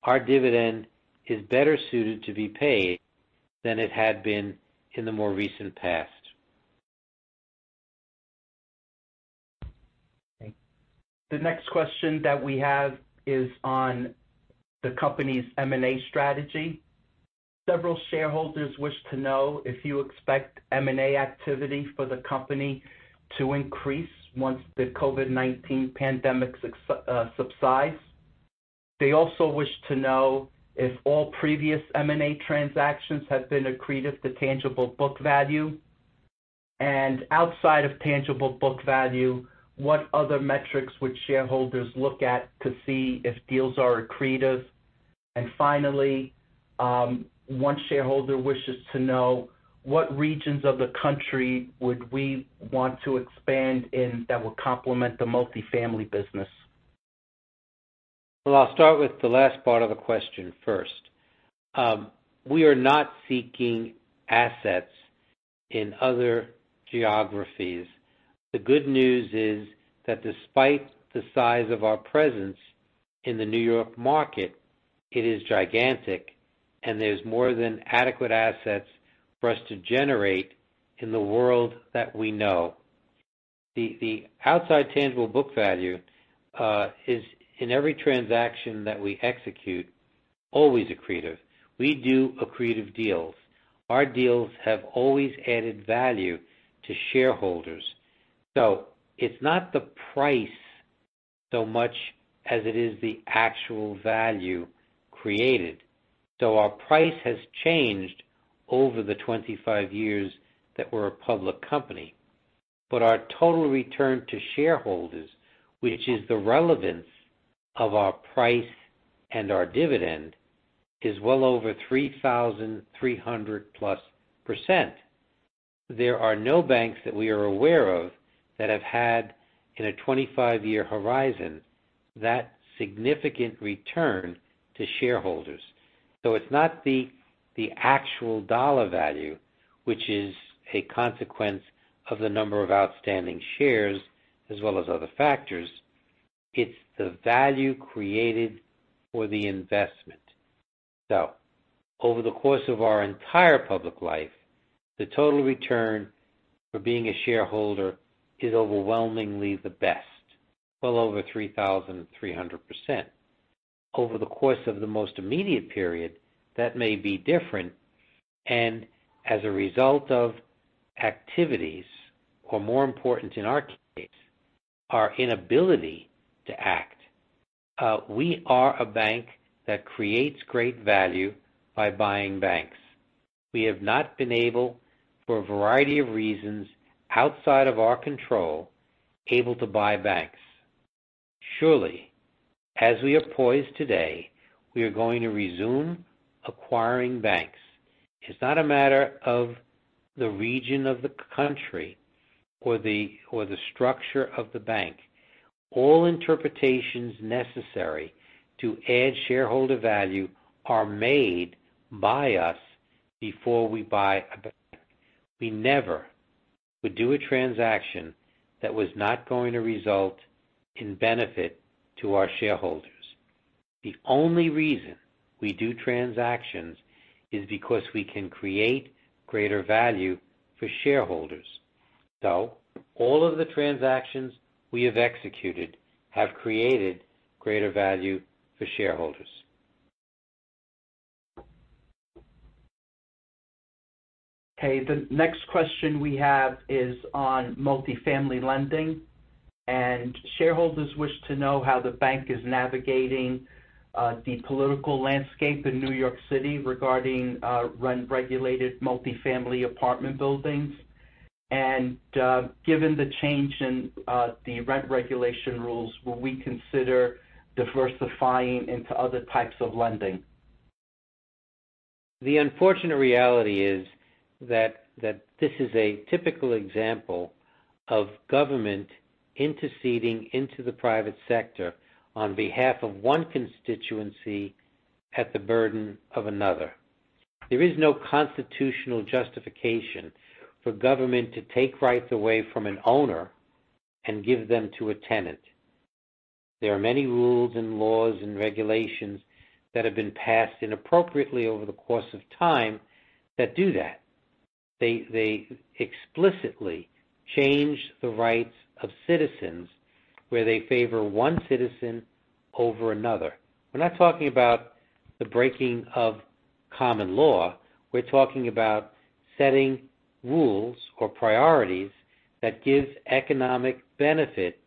our dividend is better suited to be paid than it had been in the more recent past. The next question that we have is on the company's M&A strategy. Several shareholders wish to know if you expect M&A activity for the company to increase once the COVID-19 pandemic subsides. They also wish to know if all previous M&A transactions have been accretive to tangible book value. And outside of tangible book value, what other metrics would shareholders look at to see if deals are accretive? And finally, one shareholder wishes to know what regions of the country would we want to expand in that would complement the multifamily business? Well, I'll start with the last part of the question first. We are not seeking assets in other geographies. The good news is that despite the size of our presence in the New York market, it is gigantic, and there's more than adequate assets for us to generate in the world that we know. The outside tangible book value is, in every transaction that we execute, always accretive. We do accretive deals. Our deals have always added value to shareholders. It's not the price so much as it is the actual value created. Our price has changed over the 25 years that we're a public company. But our total return to shareholders, which is the relevance of our price and our dividend, is well over 3,300 plus %. There are no banks that we are aware of that have had, in a 25-year horizon, that significant return to shareholders. It's not the actual dollar value, which is a consequence of the number of outstanding shares as well as other factors. It's the value created for the investment. Over the course of our entire public life, the total return for being a shareholder is overwhelmingly the best, well over 3,300%. Over the course of the most immediate period, that may be different. As a result of activities, or more important in our case, our inability to act, we are a bank that creates great value by buying banks. We have not been able, for a variety of reasons outside of our control, able to buy banks. Surely, as we are poised today, we are going to resume acquiring banks. It's not a matter of the region of the country or the structure of the bank. All interpretations necessary to add shareholder value are made by us before we buy a bank. We never would do a transaction that was not going to result in benefit to our shareholders. The only reason we do transactions is because we can create greater value for shareholders. All of the transactions we have executed have created greater value for shareholders. Okay. The next question we have is on multifamily lending. Shareholders wish to know how the bank is navigating the political landscape in New York City regarding rent-regulated multifamily apartment buildings. Given the change in the rent regulation rules, will we consider diversifying into other types of lending? The unfortunate reality is that this is a typical example of government interceding into the private sector on behalf of one constituency at the burden of another. There is no constitutional justification for government to take rights away from an owner and give them to a tenant. There are many rules and laws and regulations that have been passed inappropriately over the course of time that do that. They explicitly change the rights of citizens where they favor one citizen over another. We're not talking about the breaking of common law. We're talking about setting rules or priorities that give economic benefit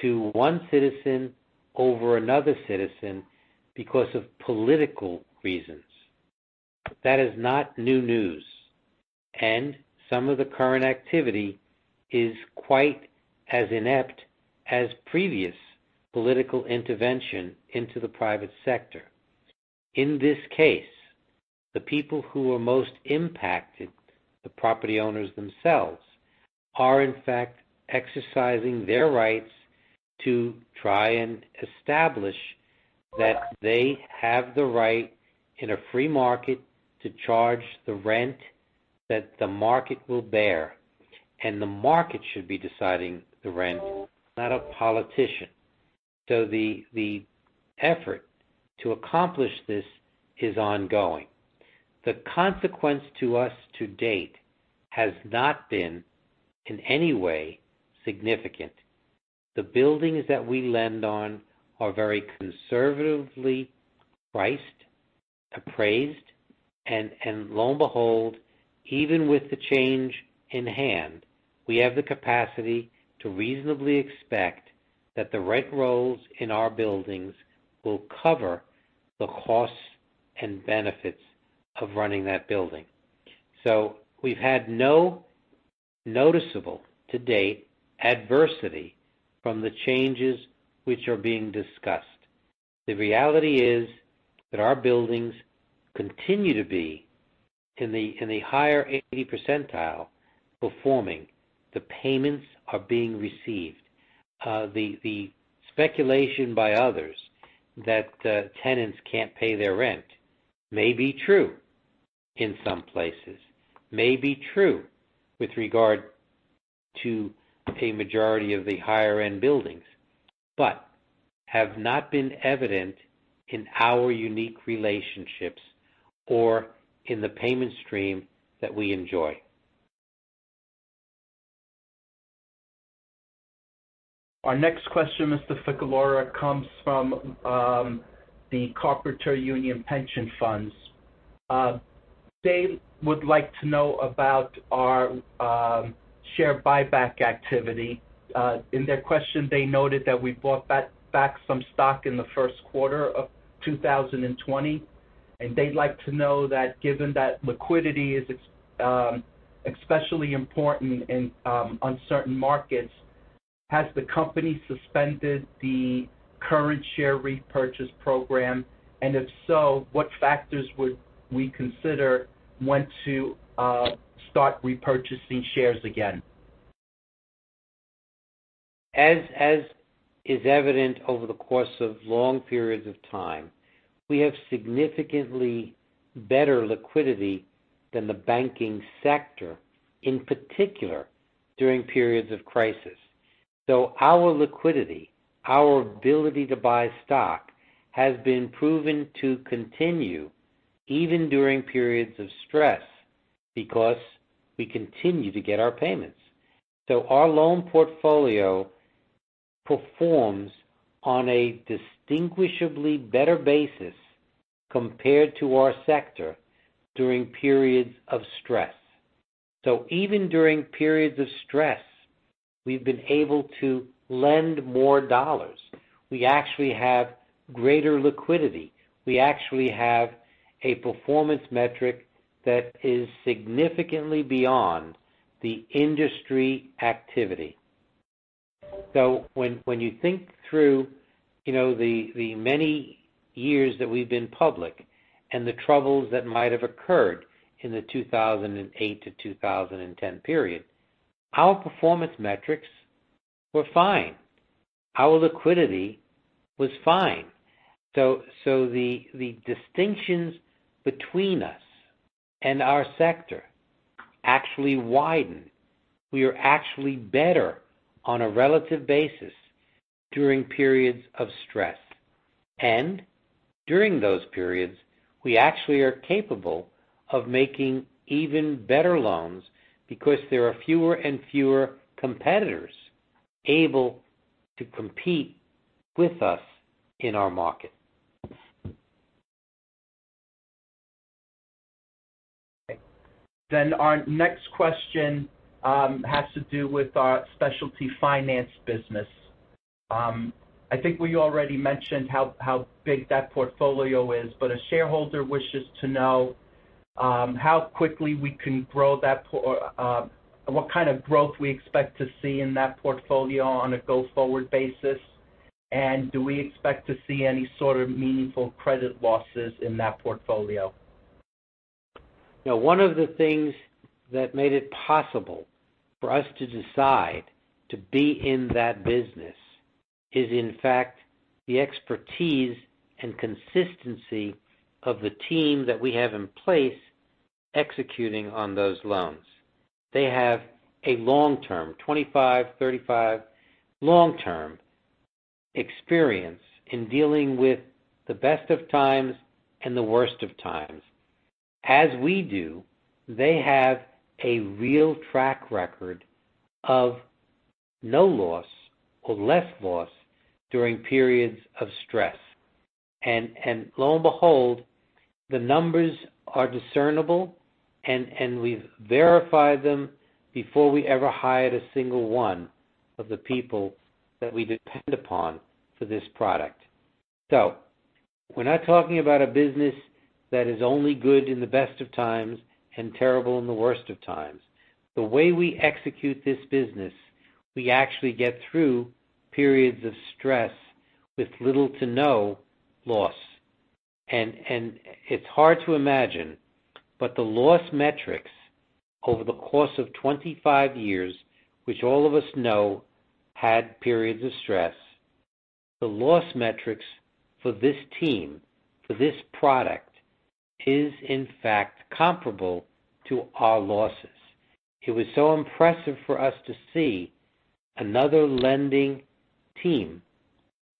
to one citizen over another citizen because of political reasons. That is not new news. And some of the current activity is quite as inept as previous political intervention into the private sector. In this case, the people who are most impacted, the property owners themselves, are in fact exercising their rights to try and establish that they have the right in a free market to charge the rent that the market will bear. And the market should be deciding the rent, not a politician. So the effort to accomplish this is ongoing. The consequence to us to date has not been in any way significant. The buildings that we lend on are very conservatively priced, appraised, and lo and behold, even with the change in hand, we have the capacity to reasonably expect that the rent rolls in our buildings will cover the costs and benefits of running that building. So we've had no noticeable to date adversity from the changes which are being discussed. The reality is that our buildings continue to be in the higher 80 percentile performing. The payments are being received. The speculation by others that tenants can't pay their rent may be true in some places, may be true with regard to a majority of the higher-end buildings, but have not been evident in our unique relationships or in the payment stream that we enjoy. Our next question, Mr. Ficalora, comes from the Cooperative Union Pension Funds. They would like to know about our share buyback activity. In their question, they noted that we bought back some stock in the first quarter of 2020. And they'd like to know that given that liquidity is especially important in uncertain markets, has the company suspended the current share repurchase program? And if so, what factors would we consider when to start repurchasing shares again? As is evident over the course of long periods of time, we have significantly better liquidity than the banking sector, in particular during periods of crisis. So our liquidity, our ability to buy stock, has been proven to continue even during periods of stress because we continue to get our payments. So our loan portfolio performs on a distinguishably better basis compared to our sector during periods of stress. So even during periods of stress, we've been able to lend more dollars. We actually have greater liquidity. We actually have a performance metric that is significantly beyond the industry activity. So when you think through the many years that we've been public and the troubles that might have occurred in the 2008 to 2010 period, our performance metrics were fine. Our liquidity was fine. So the distinctions between us and our sector actually widen. We are actually better on a relative basis during periods of stress. And during those periods, we actually are capable of making even better loans because there are fewer and fewer competitors able to compete with us in our market. Then our next question has to do with our specialty finance business. I think we already mentioned how big that portfolio is. But a shareholder wishes to know how quickly we can grow that, what kind of growth we expect to see in that portfolio on a go-forward basis, and do we expect to see any sort of meaningful credit losses in that portfolio. One of the things that made it possible for us to decide to be in that business is, in fact, the expertise and consistency of the team that we have in place executing on those loans. They have a long-term, 25, 35, long-term experience in dealing with the best of times and the worst of times. As we do, they have a real track record of no loss or less loss during periods of stress. And lo and behold, the numbers are discernible, and we've verified them before we ever hired a single one of the people that we depend upon for this product. We're not talking about a business that is only good in the best of times and terrible in the worst of times. The way we execute this business, we actually get through periods of stress with little to no loss. And it's hard to imagine, but the loss metrics over the course of 25 years, which all of us know had periods of stress, the loss metrics for this team, for this product, is in fact comparable to our losses. It was so impressive for us to see another lending team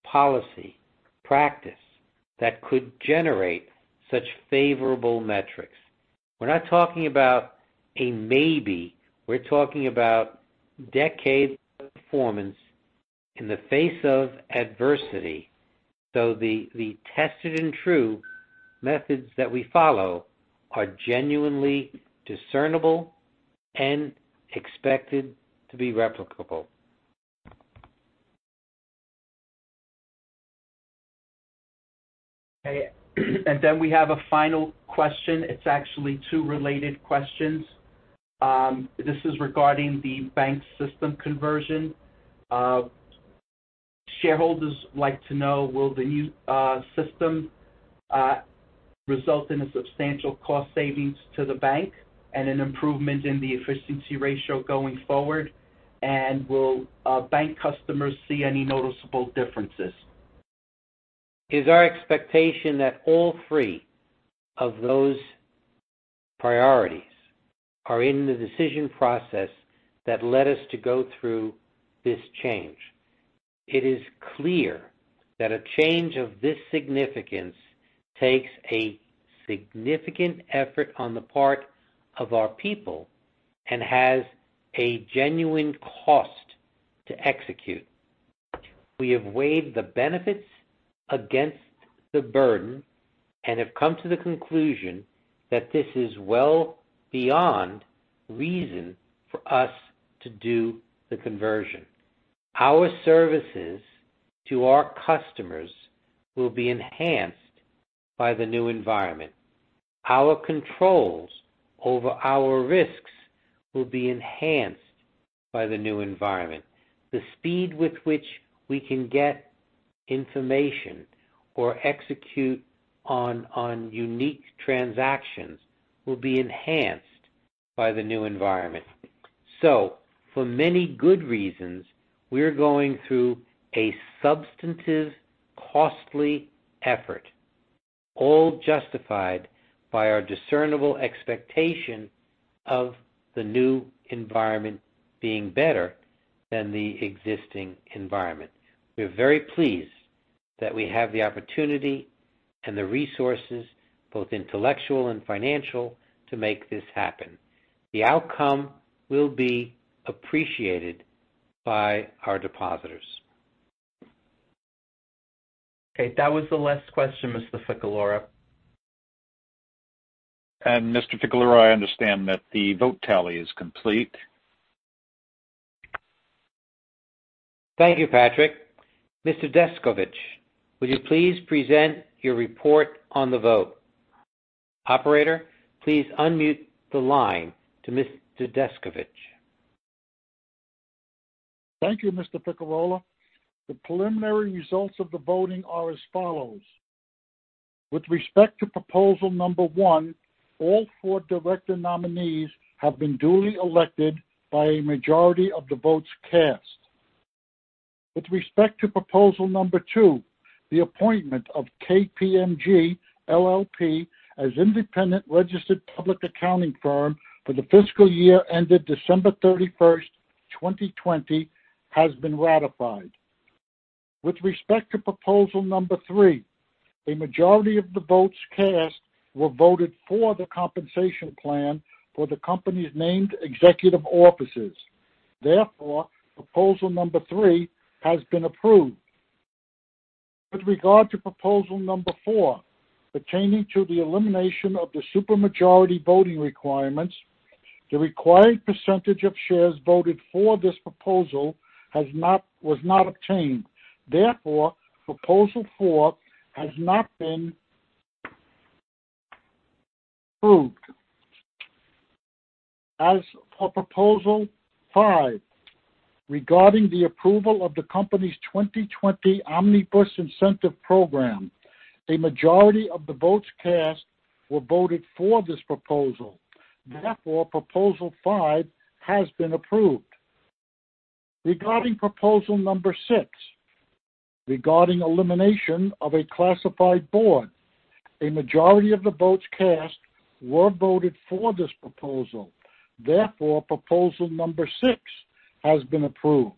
policy practice that could generate such favorable metrics. We're not talking about a maybe. We're talking about decades of performance in the face of adversity. So the tested and true methods that we follow are genuinely discernible and expected to be replicable. Okay. And then we have a final question. It's actually two related questions. This is regarding the bank system conversion. Shareholders like to know, will the new system result in a substantial cost savings to the bank and an improvement in the efficiency ratio going forward, and will bank customers see any noticeable differences? Is our expectation that all three of those priorities are in the decision process that led us to go through this change? It is clear that a change of this significance takes a significant effort on the part of our people and has a genuine cost to execute. We have weighed the benefits against the burden and have come to the conclusion that this is well beyond reason for us to do the conversion. Our services to our customers will be enhanced by the new environment. Our controls over our risks will be enhanced by the new environment. The speed with which we can get information or execute on unique transactions will be enhanced by the new environment. So for many good reasons, we're going through a substantive, costly effort, all justified by our discernible expectation of the new environment being better than the existing environment. We're very pleased that we have the opportunity and the resources, both intellectual and financial, to make this happen. The outcome will be appreciated by our depositors. Okay. That was the last question, Mr. Ficalora. And Mr. Ficalora, I understand that the vote tally is complete. Thank you, Patrick. Mr. Descovich, will you please present your report on the vote? Operator, please unmute the line to Mr. Descovich. Thank you, Mr. Ficalora. The preliminary results of the voting are as follows. With respect to proposal number one, all four nominees have been duly elected by a majority of the votes cast. With respect to proposal number two, the appointment of KPMG LLP as independent registered public accounting firm for the fiscal year ended December 31st, 2020, has been ratified. With respect to proposal number three, a majority of the votes cast were voted for the compensation plan for the company's named executive officers. Therefore, proposal number three has been approved. With regard to proposal number four, pertaining to the elimination of the supermajority voting requirements, the required percentage of shares voted for this proposal was not obtained. Therefore, proposal four has not been approved. As for proposal five, regarding the approval of the company's 2020 Omnibus Incentive Program, a majority of the votes cast were voted for this proposal. Therefore, proposal five has been approved. Regarding proposal number six, regarding elimination of a classified board, a majority of the votes cast were voted for this proposal. Therefore, proposal number six has been approved,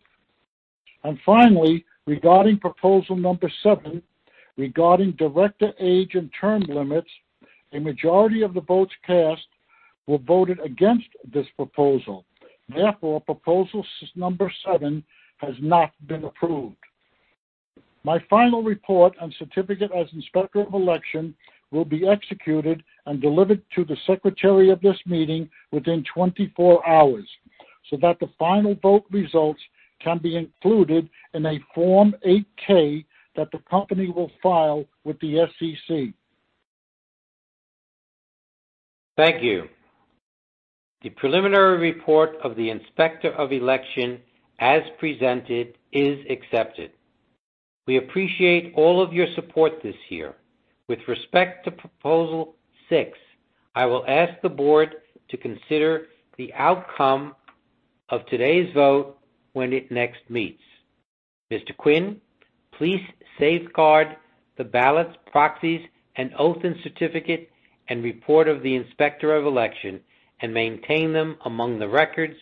and finally, regarding proposal number seven, regarding director age and term limits, a majority of the votes cast were voted against this proposal. Therefore, proposal number seven has not been approved. My final report and certificate as inspector of election will be executed and delivered to the secretary of this meeting within 24 hours so that the final vote results can be included in a Form 8-K that the company will file with the SEC. Thank you. The preliminary report of the inspector of election, as presented, is accepted. We appreciate all of your support this year. With respect to proposal six, I will ask the board to consider the outcome of today's vote when it next meets. Mr. Quinn, please safeguard the ballots, proxies, and oath and certificate and report of the inspector of election and maintain them among the records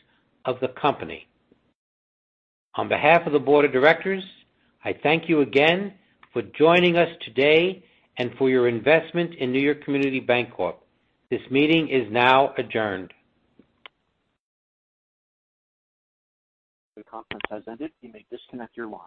of the company. On behalf of the board of directors, I thank you again for joining us today and for your investment in New York Community Bancorp. This meeting is now adjourned. The conference has ended. You may disconnect your line.